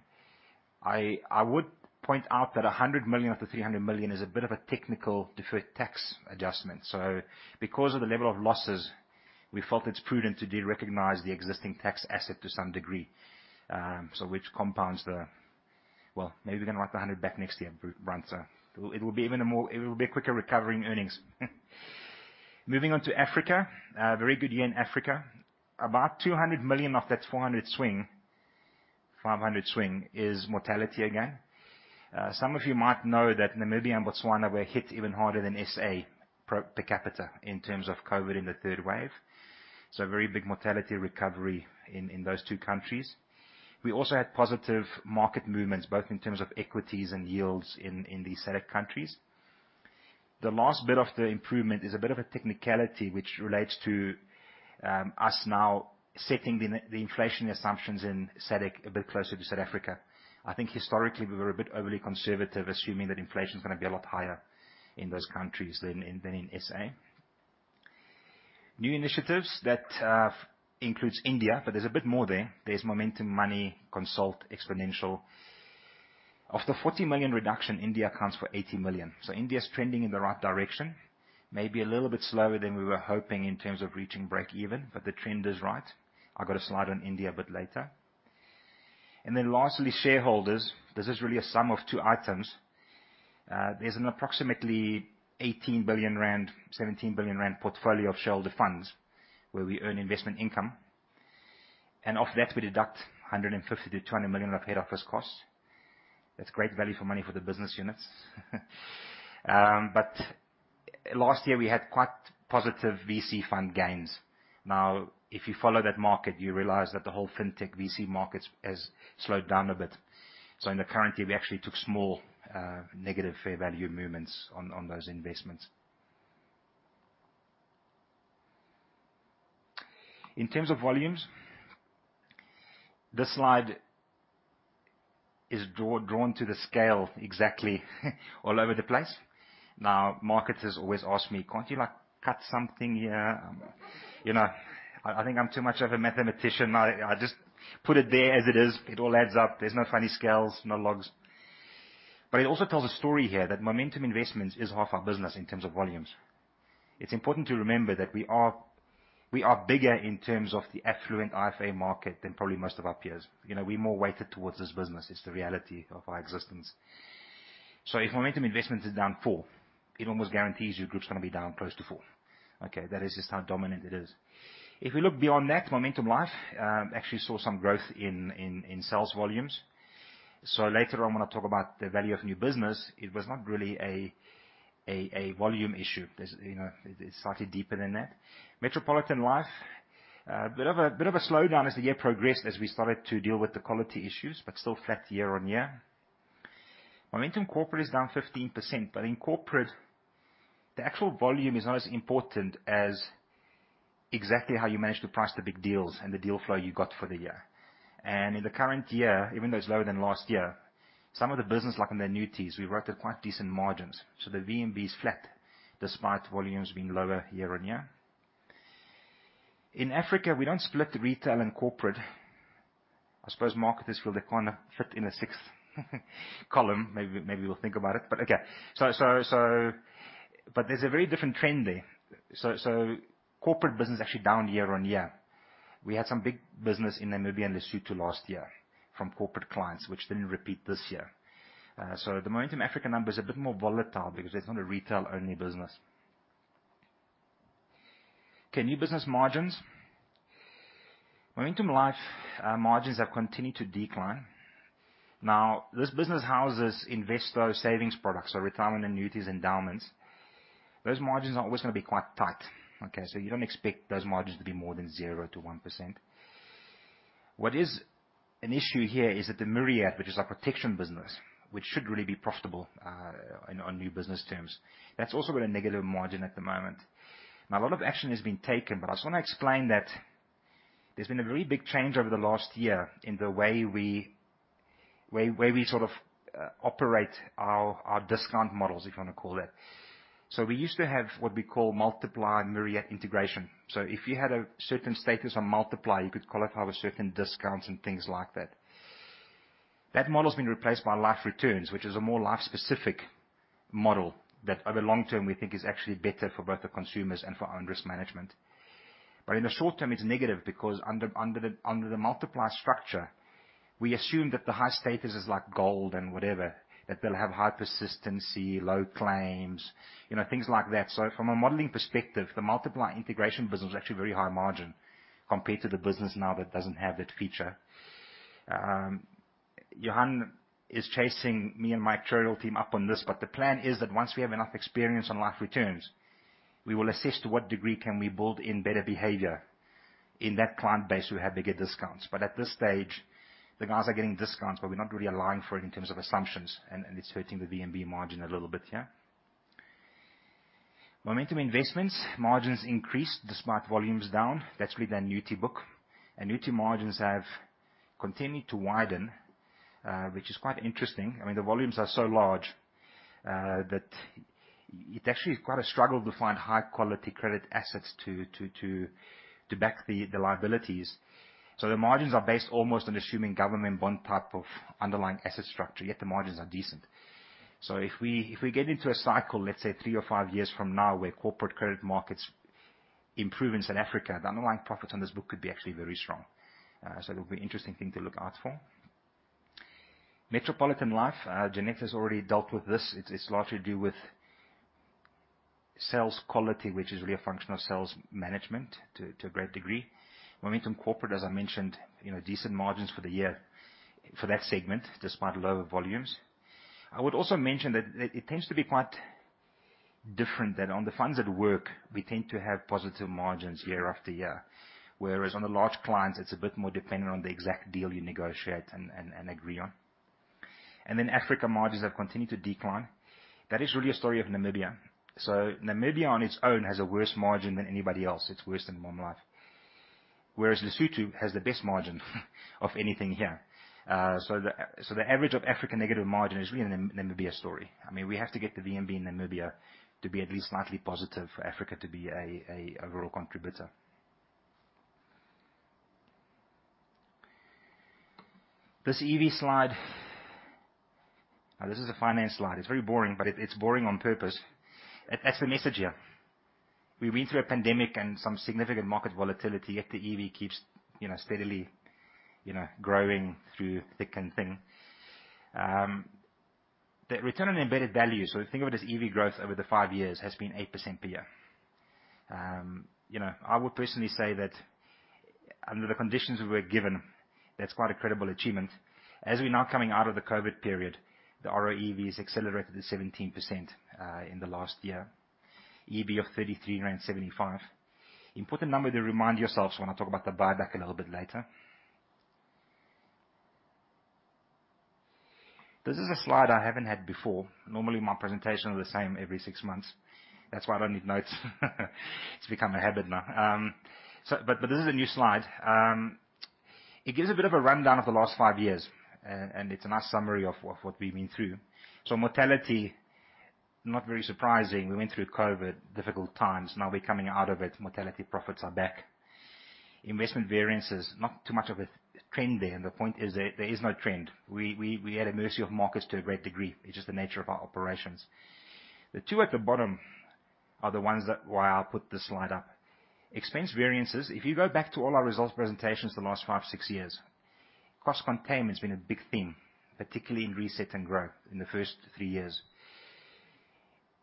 I would point out that 100 million out of 300 million is a bit of a technical deferred tax adjustment. So because of the level of losses, we felt it's prudent to derecognize the existing tax asset to some degree. So which compounds the... Well, maybe we're gonna write the 100 million back next year, Brand. So it will be even a more. It will be a quicker recovery in earnings. Moving on to Africa. A very good year in Africa. About 200 million of that 400 million-500 million swing is mortality again. Some of you might know that Namibia and Botswana were hit even harder than SA per capita in terms of COVID in the third wave. So very big mortality recovery in those two countries. We also had positive market movements, both in terms of equities and yields in the SADC countries. The last bit of the improvement is a bit of a technicality, which relates to us now setting the inflation assumptions in SADC a bit closer to South Africa. I think historically, we were a bit overly conservative, assuming that inflation is gonna be a lot higher in those countries than in SA. New initiatives that includes India, but there's a bit more there. There's Momentum Money, Consult, Exponential. Of the 40 million reduction, India accounts for 80 million. So India is trending in the right direction. Maybe a little bit slower than we were hoping in terms of reaching break even, but the trend is right. I've got a slide on India a bit later. Then lastly, shareholders. This is really a sum of two items. There's an approximately 18 billion rand, 17 billion rand portfolio of shareholder funds where we earn investment income, and of that, we deduct 150-200 million of head office costs. That's great value for money for the business units. But last year we had quite positive VC fund gains. Now, if you follow that market, you realize that the whole fintech VC market has slowed down a bit. So in the current year, we actually took small, negative fair value movements on, on those investments. In terms of volumes, this slide is drawn to the scale exactly, all over the place. Now, marketers always ask me: "Can't you, like, cut something here?" You know, I, I think I'm too much of a mathematician. I, I just put it there as it is. It all adds up. There's no funny scales, no logs. But it also tells a story here that Momentum Investments is half our business in terms of volumes. It's important to remember that we are, we are bigger in terms of the affluent IFA market than probably most of our peers. You know, we're more weighted towards this business. It's the reality of our existence. So if Momentum Investments is down 4, it almost guarantees your group's gonna be down close to 4, okay? That is just how dominant it is. If we look beyond that, Momentum Life actually saw some growth in sales volumes. So later on, when I talk about the value of new business, it was not really a volume issue. There's... You know, it's slightly deeper than that. Metropolitan Life, a bit of a, bit of a slowdown as the year progressed, as we started to deal with the quality issues, but still flat year-on-year. Momentum Corporate is down 15%, but in Corporate, the actual volume is not as important as exactly how you manage to price the big deals and the deal flow you got for the year. And in the current year, even though it's lower than last year, some of the business, like in the annuities, we wrote at quite decent margins. So the VNB is flat, despite volumes being lower year-on-year. In Africa, we don't split retail and corporate. I suppose marketers will they kinda fit in a sixth, column. Maybe, maybe we'll think about it, but okay. So... But there's a very different trend there. So corporate business is actually down year-on-year. We had some big business in Namibia and Lesotho last year from corporate clients, which didn't repeat this year. So the Momentum Africa number is a bit more volatile because it's not a retail-only business. Okay, new business margins. Momentum Life, margins have continued to decline. Now, this business houses Investo savings products, so retirement, annuities, endowments. Those margins are always gonna be quite tight, okay? So you don't expect those margins to be more than 0%-1%. What is an issue here is that the Myriad, which is our protection business, which should really be profitable, on new business terms, that's also got a negative margin at the moment. Now, a lot of action has been taken, but I just wanna explain that there's been a very big change over the last year in the way we sort of operate our discount models, if you wanna call it that. So we used to have what we call Multiply Myriad integration. So if you had a certain status on Multiply, you could qualify with certain discounts and things like that. That model has been replaced by Life Returns, which is a more life-specific model that, over long term, we think is actually better for both the consumers and for our risk management. But in the short term, it's negative because under the Multiply structure, we assume that the high status is like gold and whatever, that they'll have high persistency, low claims, you know, things like that. So from a modeling perspective, the Multiply integration business is actually very high margin compared to the business now that doesn't have that feature. Johan is chasing me and my actuarial team up on this, but the plan is that once we have enough experience on Life Returns, we will assess to what degree can we build in better behavior in that client base who have bigger discounts. But at this stage, the guys are getting discounts, but we're not really allowing for it in terms of assumptions, and, and it's hurting the VNB margin a little bit here. Momentum Investments, margins increased, despite volumes down. That's really the annuity book. Annuity margins have continued to widen, which is quite interesting. I mean, the volumes are so large that it actually is quite a struggle to find high-quality credit assets to back the liabilities. So the margins are based almost on assuming government bond type of underlying asset structure, yet the margins are decent. So if we get into a cycle, let's say, three or five years from now, where corporate credit markets improve in South Africa, the underlying profits on this book could be actually very strong. So it'll be interesting thing to look out for. Metropolitan Life, Jeanette has already dealt with this. It's largely to do with sales quality, which is really a function of sales management to a great degree. Momentum Corporate, as I mentioned, you know, decent margins for the year for that segment, despite lower volumes. I would also mention that it tends to be quite different, that on the FundsAtWork, we tend to have positive margins year after year, whereas on the large clients, it's a bit more dependent on the exact deal you negotiate and agree on. Africa margins have continued to decline. That is really a story of Namibia. So Namibia on its own has a worse margin than anybody else. It's worse than Momentum Life. Whereas Lesotho has the best margin of anything here. So the average of African negative margin is really a Namibia story. I mean, we have to get to the VNB in Namibia to be at least slightly positive for Africa to be a real contributor. This EV slide. This is a finance slide. It's very boring, but it's boring on purpose. That, that's the message here. We've been through a pandemic and some significant market volatility, yet the EV keeps, you know, steadily, you know, growing through thick and thin. The return on embedded value, so think of it as EV growth over the 5 years, has been 8% per year. You know, I would personally say that under the conditions we were given, that's quite a credible achievement. As we're now coming out of the COVID period, the ROEV has accelerated to 17%, in the last year. EV of 33.75. Important number to remind yourselves when I talk about the buyback a little bit later. This is a slide I haven't had before. Normally, my presentations are the same every 6 months. That's why I don't need notes. It's become a habit now. But this is a new slide. It gives a bit of a rundown of the last five years, and it's a nice summary of what we've been through. So mortality, not very surprising. We went through COVID, difficult times. Now we're coming out of it, mortality profits are back. Investment variances, not too much of a trend there. And the point is that there is no trend. We are at the mercy of markets to a great degree. It's just the nature of our operations. The two at the bottom are the ones that, why I put this slide up. Expense variances, if you go back to all our results presentations the last five, six years, cost containment has been a big theme, particularly in reset and growth in the first three years.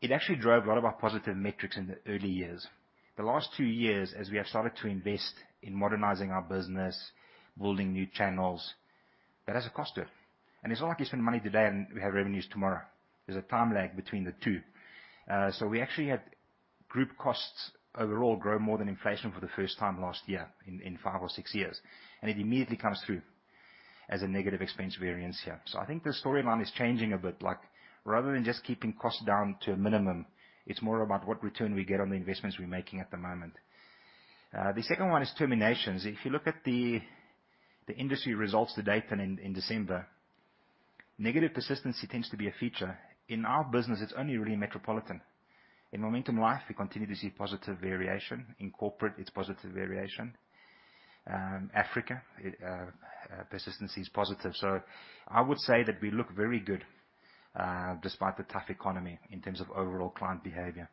It actually drove a lot of our positive metrics in the early years. The last two years, as we have started to invest in modernizing our business, building new channels, that has a cost to it. And it's not like you spend money today and we have revenues tomorrow. There's a time lag between the two. So we actually had group costs overall grow more than inflation for the first time last year in five or six years, and it immediately comes through as a negative expense variance here. So I think the storyline is changing a bit. Like, rather than just keeping costs down to a minimum, it's more about what return we get on the investments we're making at the moment. The second one is terminations. If you look at the industry results to date and in December, negative persistency tends to be a feature. In our business, it's only really Metropolitan. In Momentum Life, we continue to see positive variation. In Corporate, it's positive variation. Africa, it, persistency is positive. So I would say that we look very good, despite the tough economy in terms of overall client behavior.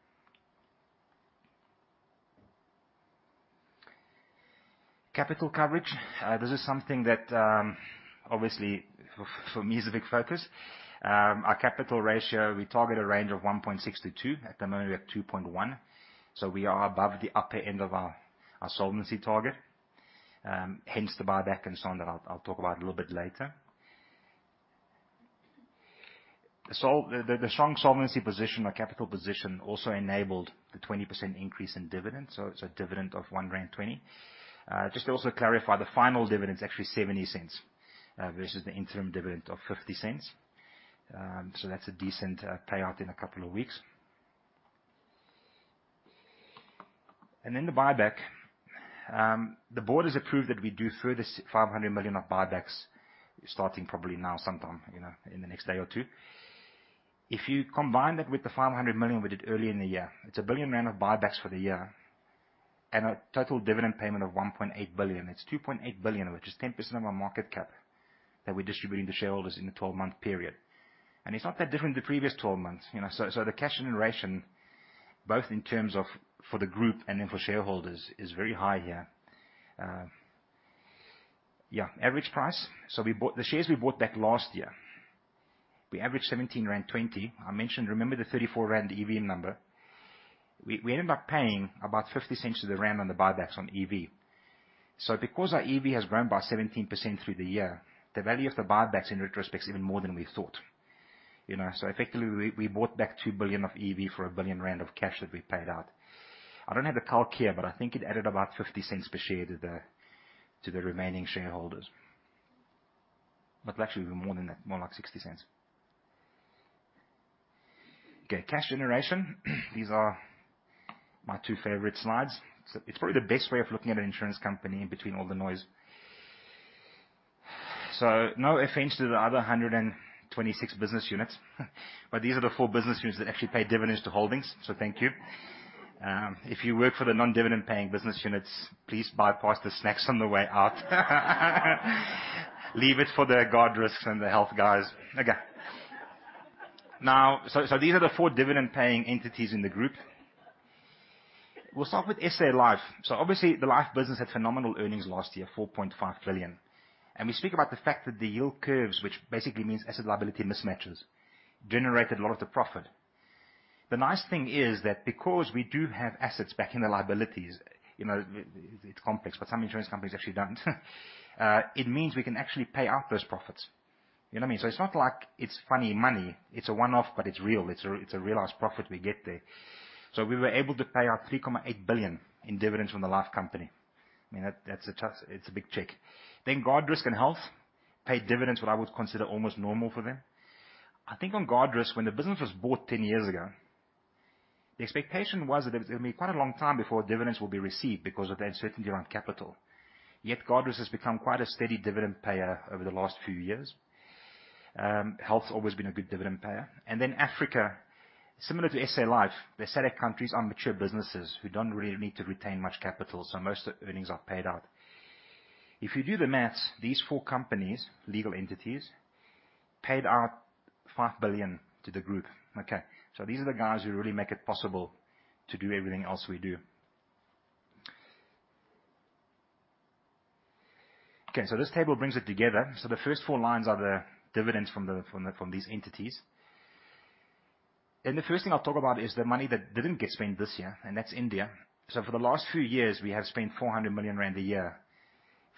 Capital coverage, this is something that, obviously for, for me, is a big focus. Our capital ratio, we target a range of 1.6-2. At the moment, we're at 2.1, so we are above the upper end of our, our solvency target. Hence, the buyback and so on that I'll, I'll talk about a little bit later. The, the, the strong solvency position, our capital position, also enabled the 20% increase in dividends, so it's a dividend of 1.20 rand. Just to also clarify, the final dividend is actually 0.70, versus the interim dividend of 0.50. So that's a decent payout in a couple of weeks. And then the buyback. The board has approved that we do a further 500 million of buybacks, starting probably now, sometime, you know, in the next day or two. If you combine that with the 500 million we did early in the year, it's 1 billion rand of buybacks for the year, and a total dividend payment of 1.8 billion. It's 2.8 billion, which is 10% of our market cap, that we're distributing to shareholders in the 12-month period. And it's not that different to the previous 12 months, you know. So the cash generation, both in terms of for the group and then for shareholders, is very high here. Yeah, average price. So we bought—The shares we bought back last year, we averaged 17.20 rand. I mentioned, remember the 34 rand EV number? We, we ended up paying about 50 cents to the rand on the buybacks on EV. So because our EV has grown by 17% through the year, the value of the buybacks in retrospect is even more than we thought. You know, so effectively, we, we bought back 2 billion of EV for 1 billion rand of cash that we paid out. I don't have the calc here, but I think it added about 0.50 per share to the, to the remaining shareholders. But actually more than that, more like 0.60. Okay, cash generation. These are my two favorite slides. So it's probably the best way of looking at an insurance company in between all the noise. So no offense to the other 126 business units, but these are the four business units that actually pay dividends to Holdings. So thank you. If you work for the non-dividend paying business units, please bypass the snacks on the way out. Leave it for the Guardrisk and the health guys. Okay. Now, so these are the four dividend-paying entities in the group. We'll start with SA Life. So obviously, the Life business had phenomenal earnings last year, 4.5 billion. And we speak about the fact that the yield curves, which basically means asset liability mismatches, generated a lot of the profit. The nice thing is that because we do have assets backing the liabilities, you know, it, it's complex, but some insurance companies actually don't. It means we can actually pay out those profits. You know what I mean? So it's not like it's funny money. It's a one-off, but it's real. It's a, it's a realized profit we get there. So we were able to pay out 3.8 billion in dividends from the life company. I mean, that, that's a tough. It's a big check. Then Guardrisk and Health paid dividends, what I would consider almost normal for them. I think on Guardrisk, when the business was bought 10 years ago, the expectation was that it was gonna be quite a long time before dividends will be received because of the uncertainty around capital. Yet Guardrisk has become quite a steady dividend payer over the last few years. Health's always been a good dividend payer. Then Africa, similar to SA Life, the SADC countries are mature businesses who don't really need to retain much capital, so most earnings are paid out. If you do the math, these four companies, legal entities, paid out 5 billion to the group. Okay, so these are the guys who really make it possible to do everything else we do. Okay, so this table brings it together. So the first four lines are the dividends from these entities. The first thing I'll talk about is the money that didn't get spent this year, and that's India. So for the last few years, we have spent 400 million rand a year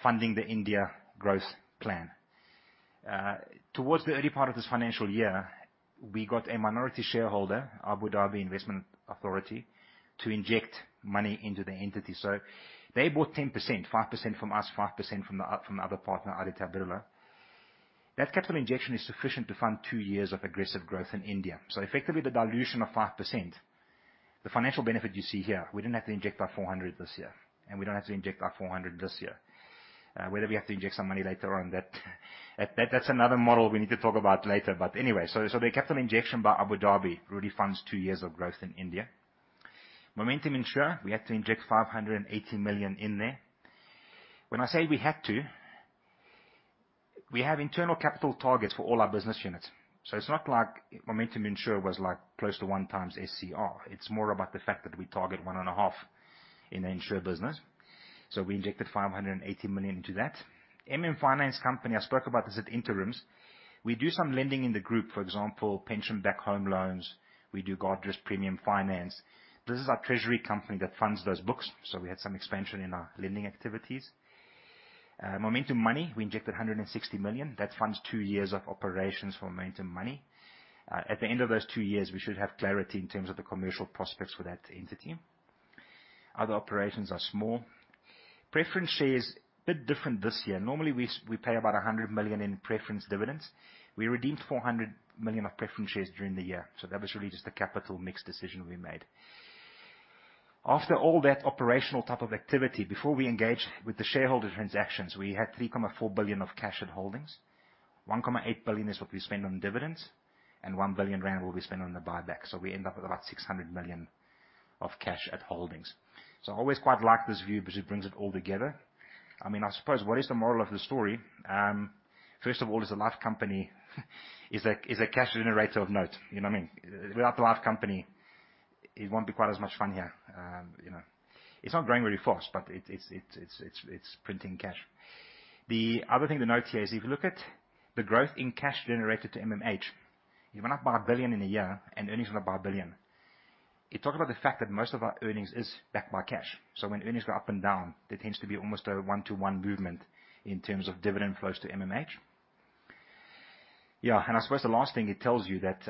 funding the India growth plan. Towards the early part of this financial year, we got a minority shareholder, Abu Dhabi Investment Authority, to inject money into the entity. So they bought 10%, 5% from us, 5% from the other partner, Aditya Birla. That capital injection is sufficient to fund two years of aggressive growth in India. So effectively, the dilution of 5%, the financial benefit you see here, we didn't have to inject our 400 million this year, and we don't have to inject our 400 million this year. Whether we have to inject some money later on, that, that's another model we need to talk about later. But anyway, so the capital injection by Abu Dhabi really funds two years of growth in India. Momentum Insure, we had to inject 580 million in there. When I say we had to, we have internal capital targets for all our business units, so it's not like Momentum Insure was, like, close to 1 times SCR. It's more about the fact that we target 1.5 in the Insure business, so we injected 580 million into that. MM Finance Company, I spoke about this at interims. We do some lending in the group, for example, pension-backed home loans. We do Guardrisk premium finance. This is our treasury company that funds those books, so we had some expansion in our lending activities. Momentum Money, we injected 160 million. That funds 2 years of operations for Momentum Money. At the end of those 2 years, we should have clarity in terms of the commercial prospects for that entity. Other operations are small. Preference shares, a bit different this year. Normally, we pay about 100 million in preference dividends. We redeemed 400 million of preference shares during the year, so that was really just a capital mix decision we made. After all that operational type of activity, before we engaged with the shareholder transactions, we had 3.4 billion of cash at holdings. 1.8 billion is what we spend on dividends, and 1 billion rand will be spent on the buyback. So we end up with about 600 million of cash at holdings. So I always quite like this view because it brings it all together. I mean, I suppose, what is the moral of the story? First of all, the life company is a cash generator of note. You know what I mean? Without the life company, it won't be quite as much fun here. You know, it's not growing very fast, but it's printing cash. The other thing to note here is, if you look at the growth in cash generated to MMH, you went up by 1 billion in a year, and earnings went up by 1 billion. It talks about the fact that most of our earnings is backed by cash. So when earnings go up and down, there tends to be almost a 1-to-1 movement in terms of dividend flows to MMH. Yeah, and I suppose the last thing it tells you that,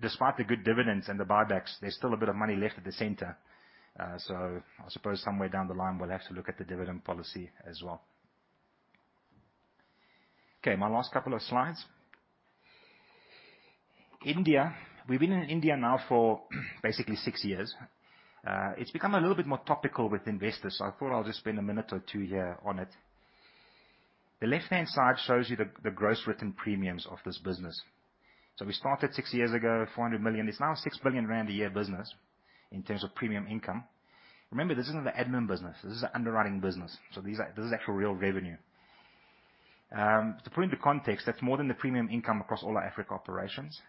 despite the good dividends and the buybacks, there's still a bit of money left at the center. So I suppose somewhere down the line, we'll have to look at the dividend policy as well. Okay, my last couple of slides. India. We've been in India now for basically six years. It's become a little bit more topical with investors, so I thought I'll just spend a minute or two here on it. The left-hand side shows you the, the gross written premiums of this business. So we started six years ago, 400 million. It's now a 6 billion rand a year business in terms of premium income. Remember, this is not an admin business. This is an underwriting business, so these are. This is actual, real revenue. To put into context, that's more than the premium income across all our Africa operations.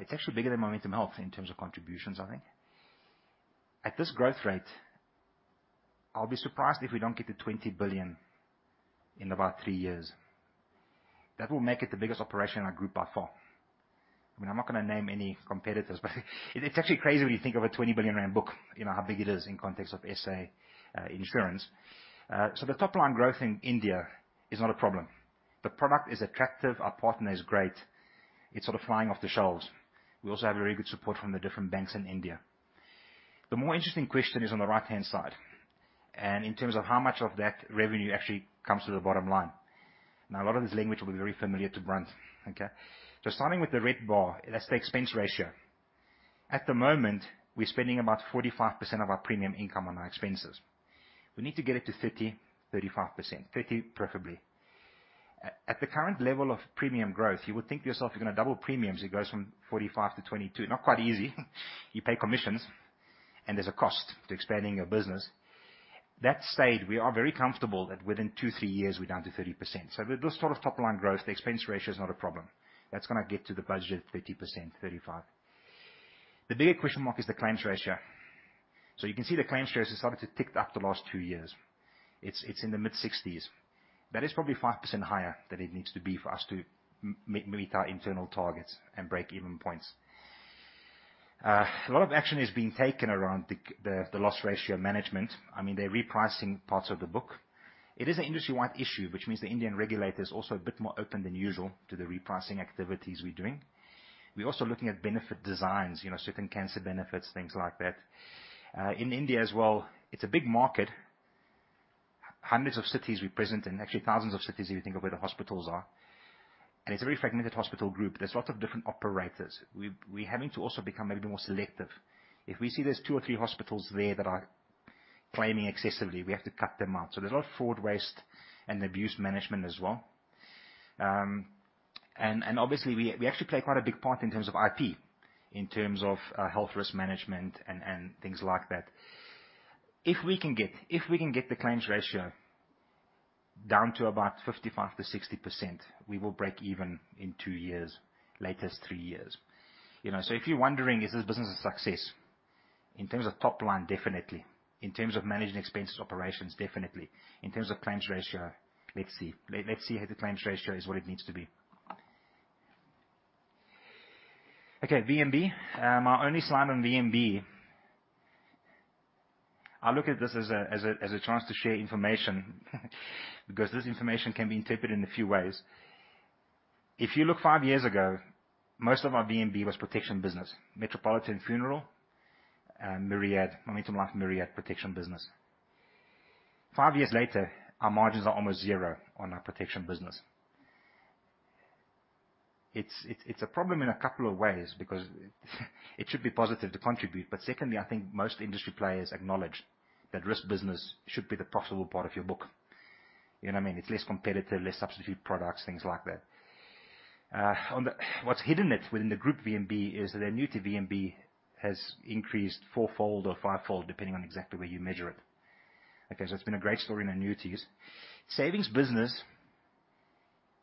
It's actually bigger than Momentum Health in terms of contributions, I think. At this growth rate, I'll be surprised if we don't get to 20 billion in about three years. That will make it the biggest operation in our group by far. I mean, I'm not gonna name any competitors, but it's actually crazy when you think of a 20 billion rand book. You know how big it is in context of SA insurance. So the top-line growth in India is not a problem. The product is attractive. Our partner is great. It's sort of flying off the shelves. We also have very good support from the different banks in India. The more interesting question is on the right-hand side, and in terms of how much of that revenue actually comes to the bottom line. Now, a lot of this language will be very familiar to Brent. Okay? So starting with the red bar, that's the expense ratio. At the moment, we're spending about 45% of our premium income on our expenses. We need to get it to 30%-35%. 30%, preferably. At the current level of premium growth, you would think to yourself, you're gonna double premiums. It goes from 45 to 22. Not quite easy. You pay commissions, and there's a cost to expanding your business. That said, we are very comfortable that within 2, 3 years, we're down to 30%. So with this sort of top-line growth, the expense ratio is not a problem. That's gonna get to the budget of 30%-35%. The bigger question mark is the claims ratio. So you can see the claims ratio has started to tick up the last two years. It's in the mid-60s. That is probably 5% higher than it needs to be for us to meet our internal targets and break-even points. A lot of action is being taken around the loss ratio management. I mean, they're repricing parts of the book. It is an industry-wide issue, which means the Indian regulator is also a bit more open than usual to the repricing activities we're doing. We're also looking at benefit designs, you know, certain cancer benefits, things like that. In India as well, it's a big market. Hundreds of cities we present in, actually, thousands of cities, if you think of where the hospitals are, and it's a very fragmented hospital group. There's lots of different operators. We're having to also become maybe more selective. If we see there's two or three hospitals there that are claiming excessively, we have to cut them out. So there's a lot of fraud, waste, and abuse management as well. And obviously, we actually play quite a big part in terms of IP, in terms of health risk management and things like that. If we can get, if we can get the claims ratio down to about 55%-60%, we will break even in two years, latest, three years. You know, so if you're wondering, is this business a success? In terms of top line, definitely. In terms of managing expenses, operations, definitely. In terms of claims ratio, let's see. Let's see if the claims ratio is what it needs to be. Okay, VNB. Our only slide on VNB. I look at this as a chance to share information, because this information can be interpreted in a few ways. If you look five years ago, most of our VNB was protection business, Metropolitan Funeral and Myriad, Momentum Life Myriad protection business. Five years later, our margins are almost zero on our protection business. It's a problem in a couple of ways, because it should be positive to contribute. But secondly, I think most industry players acknowledge that risk business should be the profitable part of your book. You know what I mean? It's less competitive, less substitute products, things like that. On the—what's hidden it, within the group VNB, is that annuity VNB has increased fourfold or fivefold, depending on exactly where you measure it. Okay, so it's been a great story in annuities. Savings business,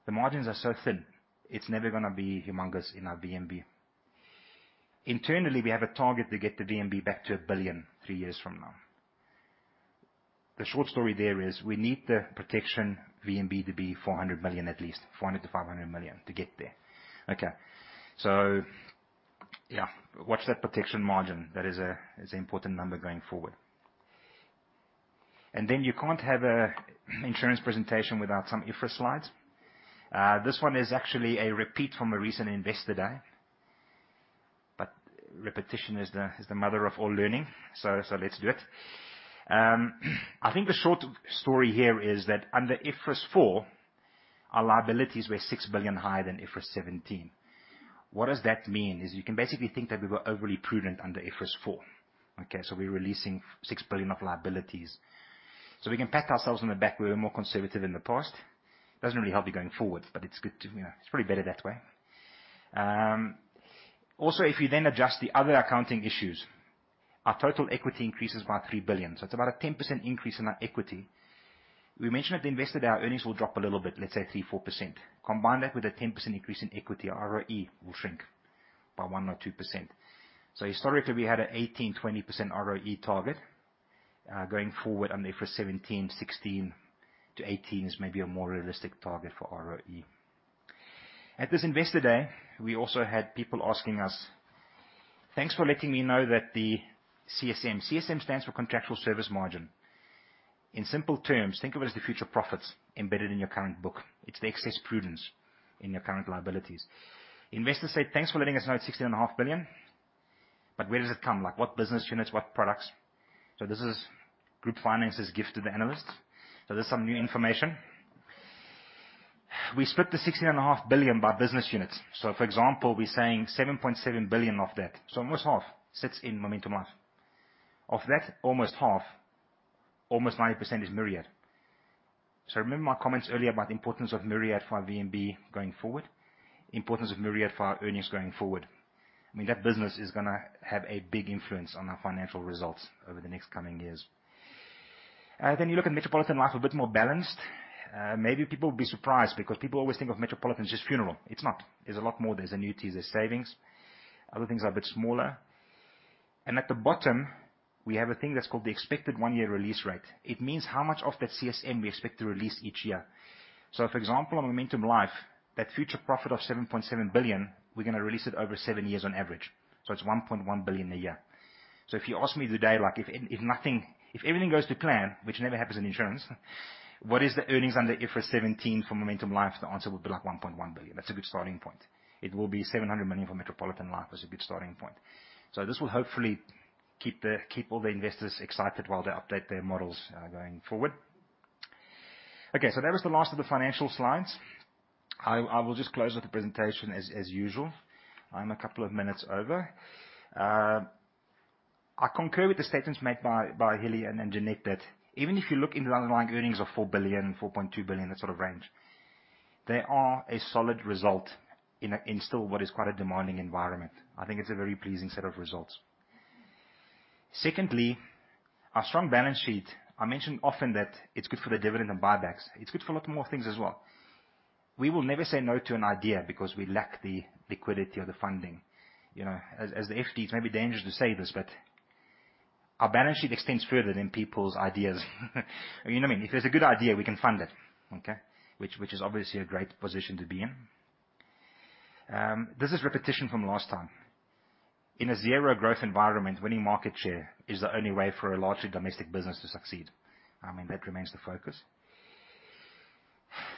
the margins are so thin, it's never gonna be humongous in our VNB. Internally, we have a target to get the VNB back to 1 billion, three years from now. The short story there is, we need the protection VNB to be 400 million, at least, 400-500 million to get there. Okay. So yeah, watch that protection margin. That is a, is an important number going forward. And then, you can't have a insurance presentation without some IFRS slides. This one is actually a repeat from a recent Investor Day, but repetition is the, is the mother of all learning, so, so let's do it. I think the short story here is that under IFRS 4, our liabilities were 6 billion higher than IFRS 17. What does that mean? Is you can basically think that we were overly prudent under IFRS 4, okay? So we're releasing 6 billion of liabilities. So we can pat ourselves on the back. We were more conservative in the past. Doesn't really help you going forward, but it's good to, you know... It's probably better that way. Also, if you then adjust the other accounting issues, our total equity increases by 3 billion, so it's about a 10% increase in our equity. We mentioned at the Investor Day, our earnings will drop a little bit, let's say 3%-4%. Combine that with a 10% increase in equity, our ROE will shrink by 1%-2%. So historically, we had an 18%-20% ROE target. Going forward under IFRS 17, 16%-18% is maybe a more realistic target for ROE. At this Investor Day, we also had people asking us: "Thanks for letting me know that the CSM-" CSM stands for contractual service margin. In simple terms, think of it as the future profits embedded in your current book. It's the excess prudence in your current liabilities. Investors say: "Thanks for letting us know it's 16.5 billion, but where does it come? Like, what business units, what products?" So this is group finance's gift to the analysts. So there's some new information. We split the 16.5 billion by business units. So, for example, we're saying 7.7 billion of that, so almost half, sits in Momentum Life. Of that, almost half, almost 90% is Myriad. So remember my comments earlier about the importance of Myriad for our VNB going forward, importance of Myriad for our earnings going forward. I mean, that business is gonna have a big influence on our financial results over the next coming years. Then you look at Metropolitan Life, a bit more balanced. Maybe people will be surprised, because people always think of Metropolitan as just funeral. It's not. There's a lot more. There's annuities, there's savings, other things are a bit smaller. And at the bottom, we have a thing that's called the expected one-year release rate. It means how much of that CSM we expect to release each year. So, for example, on Momentum Life, that future profit of 7.7 billion, we're gonna release it over seven years on average, so it's 1.1 billion a year. So if you ask me today, like, if nothing, if everything goes to plan, which never happens in insurance, what is the earnings under IFRS 17 for Momentum Life? The answer would be, like, 1.1 billion. That's a good starting point. It will be 700 million for Metropolitan Life, that's a good starting point. So this will hopefully keep the keep all the investors excited while they update their models, going forward. Okay, so that was the last of the financial slides. I will just close with the presentation as usual. I'm a couple of minutes over. I concur with the statements made by Hillie and Jeanette, that even if you look into the underlying earnings of 4 billion-4.2 billion, that sort of range, they are a solid result in still what is quite a demanding environment. I think it's a very pleasing set of results. Secondly, our strong balance sheet. I mention often that it's good for the dividend and buybacks. It's good for a lot more things as well. We will never say no to an idea because we lack the liquidity or the funding. You know, as the FD, it's maybe dangerous to say this, but our balance sheet extends further than people's ideas. You know what I mean? If there's a good idea, we can fund it, okay? Which, which is obviously a great position to be in. This is repetition from last time. In a zero-growth environment, winning market share is the only way for a larger domestic business to succeed. I mean, that remains the focus.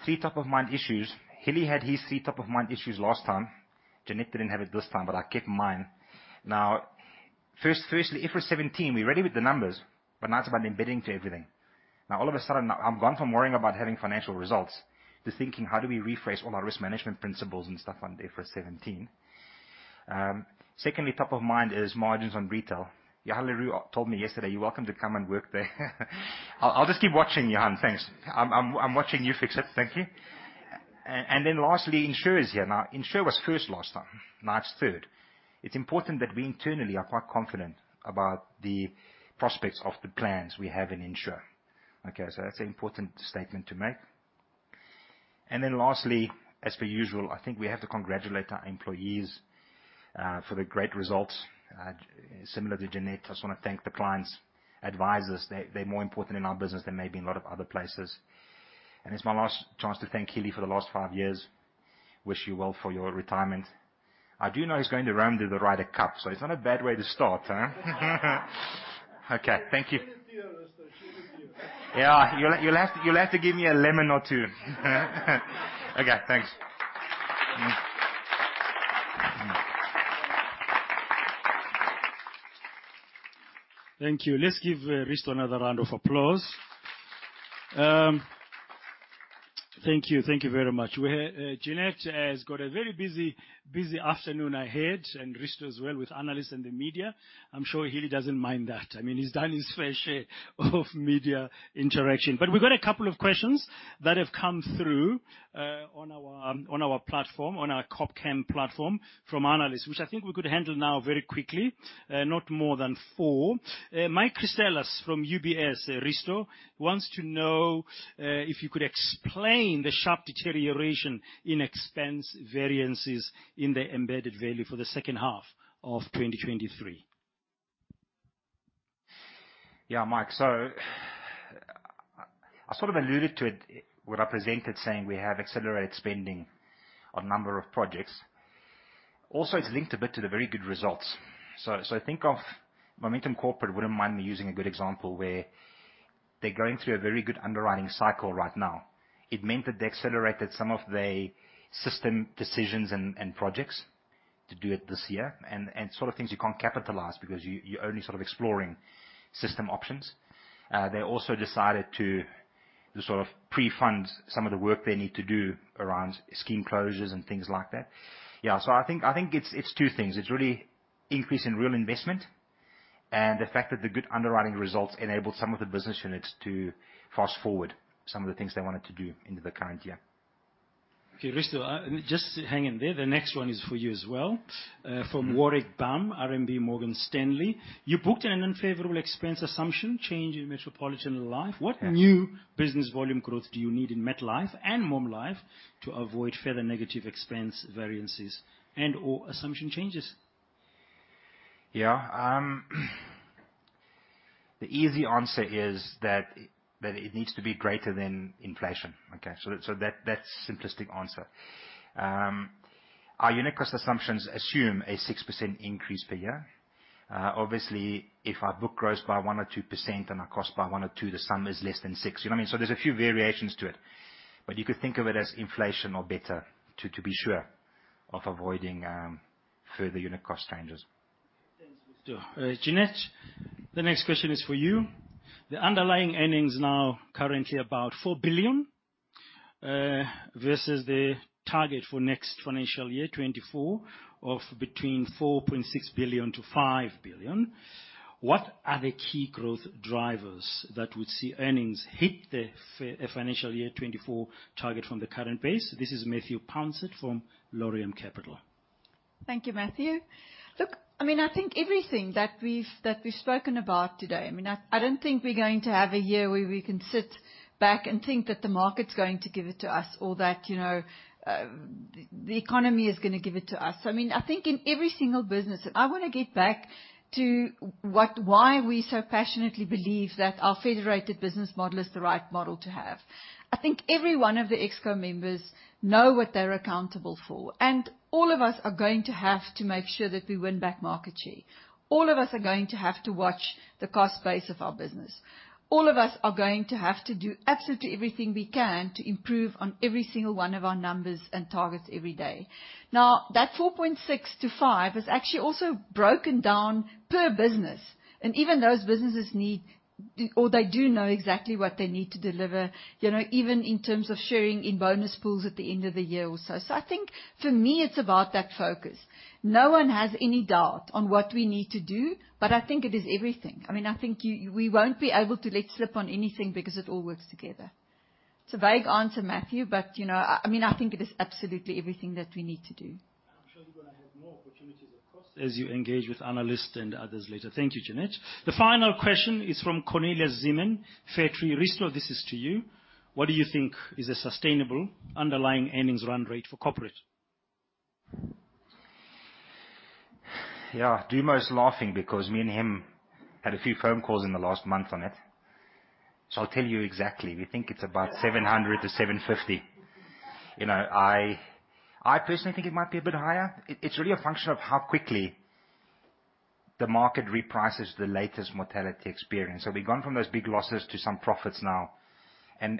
Three top-of-mind issues. Hillie had his three top-of-mind issues last time. Jeanette didn't have it this time, but I kept mine. Now, first, firstly, IFRS 17, we're ready with the numbers, but now it's about embedding to everything. Now, all of a sudden, I've gone from worrying about having financial results to thinking: how do we rephrase all our risk management principles and stuff on the IFRS 17? Secondly, top of mind is margins on retail. Johan le Roux told me yesterday, "You're welcome to come and work there." I'll just keep watching you, Johan. Thanks. I'm watching you fix it. Thank you. And then lastly, Insure is here. Now, Insure was first last time, now it's third. It's important that we internally are quite confident about the prospects of the plans we have in Insure. Okay, so that's an important statement to make. And then lastly, as per usual, I think we have to congratulate our employees for the great results. Similar to Jeanette, I just wanna thank the clients, advisors, they're more important in our business than maybe in a lot of other places. And it's my last chance to thank Hillie for the last five years. Wish you well for your retirement. I do know he's going to run the Ryder Cup, so it's not a bad way to start, huh? Okay. Thank you. Yeah, you'll have to give me a lemon or two. Okay. Thanks. Thank you. Let's give Risto another round of applause. Thank you. Thank you very much. We're... Jeanette has got a very busy, busy afternoon ahead, and Risto as well, with analysts and the media. I'm sure Hillie doesn't mind that. I mean, he's done his fair share of media interaction. But we've got a couple of questions that have come through on our platform, on our Corpcam platform from analysts, which I think we could handle now very quickly, not more than four. Mike Christelis from UBS, Risto, wants to know if you could explain the sharp deterioration in expense variances in the embedded value for the second half of 2023. Yeah, Mike. So I sort of alluded to it when I presented, saying we have accelerated spending on a number of projects. Also, it's linked a bit to the very good results. So, think of Momentum Corporate wouldn't mind me using a good example, where they're going through a very good underwriting cycle right now. It meant that they accelerated some of their system decisions and projects to do it this year. And sort of things you can't capitalize because you're only sort of exploring system options. They also decided to just sort of pre-fund some of the work they need to do around scheme closures and things like that. Yeah, so I think it's two things. It's really an increase in real investment and the fact that the good underwriting results enabled some of the business units to fast forward some of the things they wanted to do into the current year. Okay, Risto, just hang in there. The next one is for you as well. Mm-hmm. From Warwick Bam, RMB Morgan Stanley: You booked an unfavorable expense assumption change in Metropolitan Life? Yes. What new business volume growth do you need in Metropolitan Life and Momentum Life to avoid further negative expense variances and/or assumption changes? Yeah, the easy answer is that, that it needs to be greater than inflation, okay? So, so that, that's simplistic answer. Our unit cost assumptions assume a 6% increase per year. Obviously, if our book grows by 1% or 2% and our cost by 1 or 2, the sum is less than 6. You know what I mean? So there's a few variations to it, but you could think of it as inflation or better, to, to be sure of avoiding, further unit cost changes. Thanks, Risto. Jeanette, the next question is for you. The underlying earnings now currently about 4 billion versus the target for next financial year 2024 of between 4.6 billion-5 billion. What are the key growth drivers that would see earnings hit the financial year 2024 target from the current base? This is Matthew Pounsett from Laurium Capital. Thank you, Matthew. Look, I mean, I think everything that we've spoken about today. I mean, I don't think we're going to have a year where we can sit back and think that the market's going to give it to us or that, you know, the economy is gonna give it to us. I mean, I think in every single business, and I wanna get back to why we so passionately believe that our federated business model is the right model to have. I think every one of the ExCo members know what they're accountable for, and all of us are going to have to make sure that we win back market share. All of us are going to have to watch the cost base of our business. All of us are going to have to do absolutely everything we can to improve on every single one of our numbers and targets every day. Now, that 4.6-5 is actually also broken down per business, and even those businesses need or they do know exactly what they need to deliver, you know, even in terms of sharing in bonus pools at the end of the year or so. So I think, for me, it's about that focus. No one has any doubt on what we need to do, but I think it is everything. I mean, I think you, we won't be able to let slip on anything because it all works together. It's a vague answer, Matthew, but, you know, I, I mean, I think it is absolutely everything that we need to do. ... I'm sure you're gonna have more opportunities, of course, as you engage with analysts and others later. Thank you, Jeanette. The final question is from Cornelius Zeeman, Fairtree. Risto, this is to you. What do you think is a sustainable underlying earnings run rate for corporate? Yeah, Dumo is laughing because me and him had a few phone calls in the last month on it. So I'll tell you exactly. We think it's about 700-750. You know, I personally think it might be a bit higher. It's really a function of how quickly the market reprices the latest mortality experience. So we've gone from those big losses to some profits now, and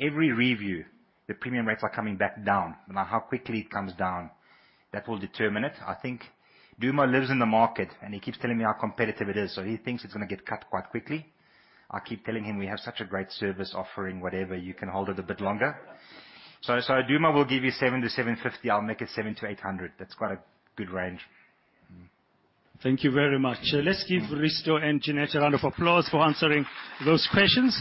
every review, the premium rates are coming back down. Now, how quickly it comes down, that will determine it. I think Dumo lives in the market, and he keeps telling me how competitive it is, so he thinks it's gonna get cut quite quickly. I keep telling him, "We have such a great service offering, whatever, you can hold it a bit longer." So, so Dumo will give you 700-750. I'll make it 700-800. That's quite a good range. Thank you very much. Let's give Risto and Jeanette a round of applause for answering those questions.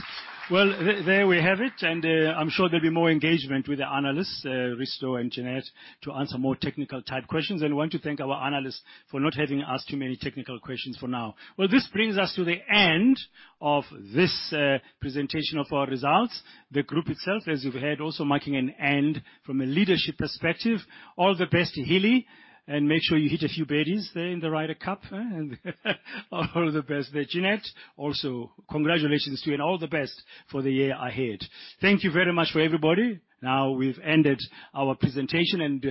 Well, there, there we have it, and, I'm sure there'll be more engagement with the analysts, Risto and Jeanette, to answer more technical type questions. I want to thank our analysts for not having asked too many technical questions for now. Well, this brings us to the end of this, presentation of our results. The group itself, as you've heard, also marking an end from a leadership perspective. All the best, Hillie, and make sure you hit a few birdies there in the Ryder Cup, eh? All the best there, Jeanette. Also, congratulations to you and all the best for the year ahead. Thank you very much for everybody. Now, we've ended our presentation, and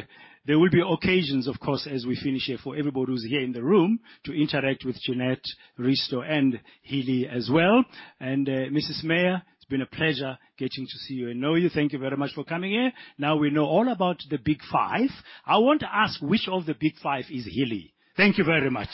there will be occasions, of course, as we finish here, for everybody who's here in the room to interact with Jeanette, Risto, and Hillie as well. And, Mrs. Meyer, it's been a pleasure getting to see you and know you. Thank you very much for coming here. Now, we know all about the Big Five. I want to ask, which of the Big Five is Hillie? Thank you very much.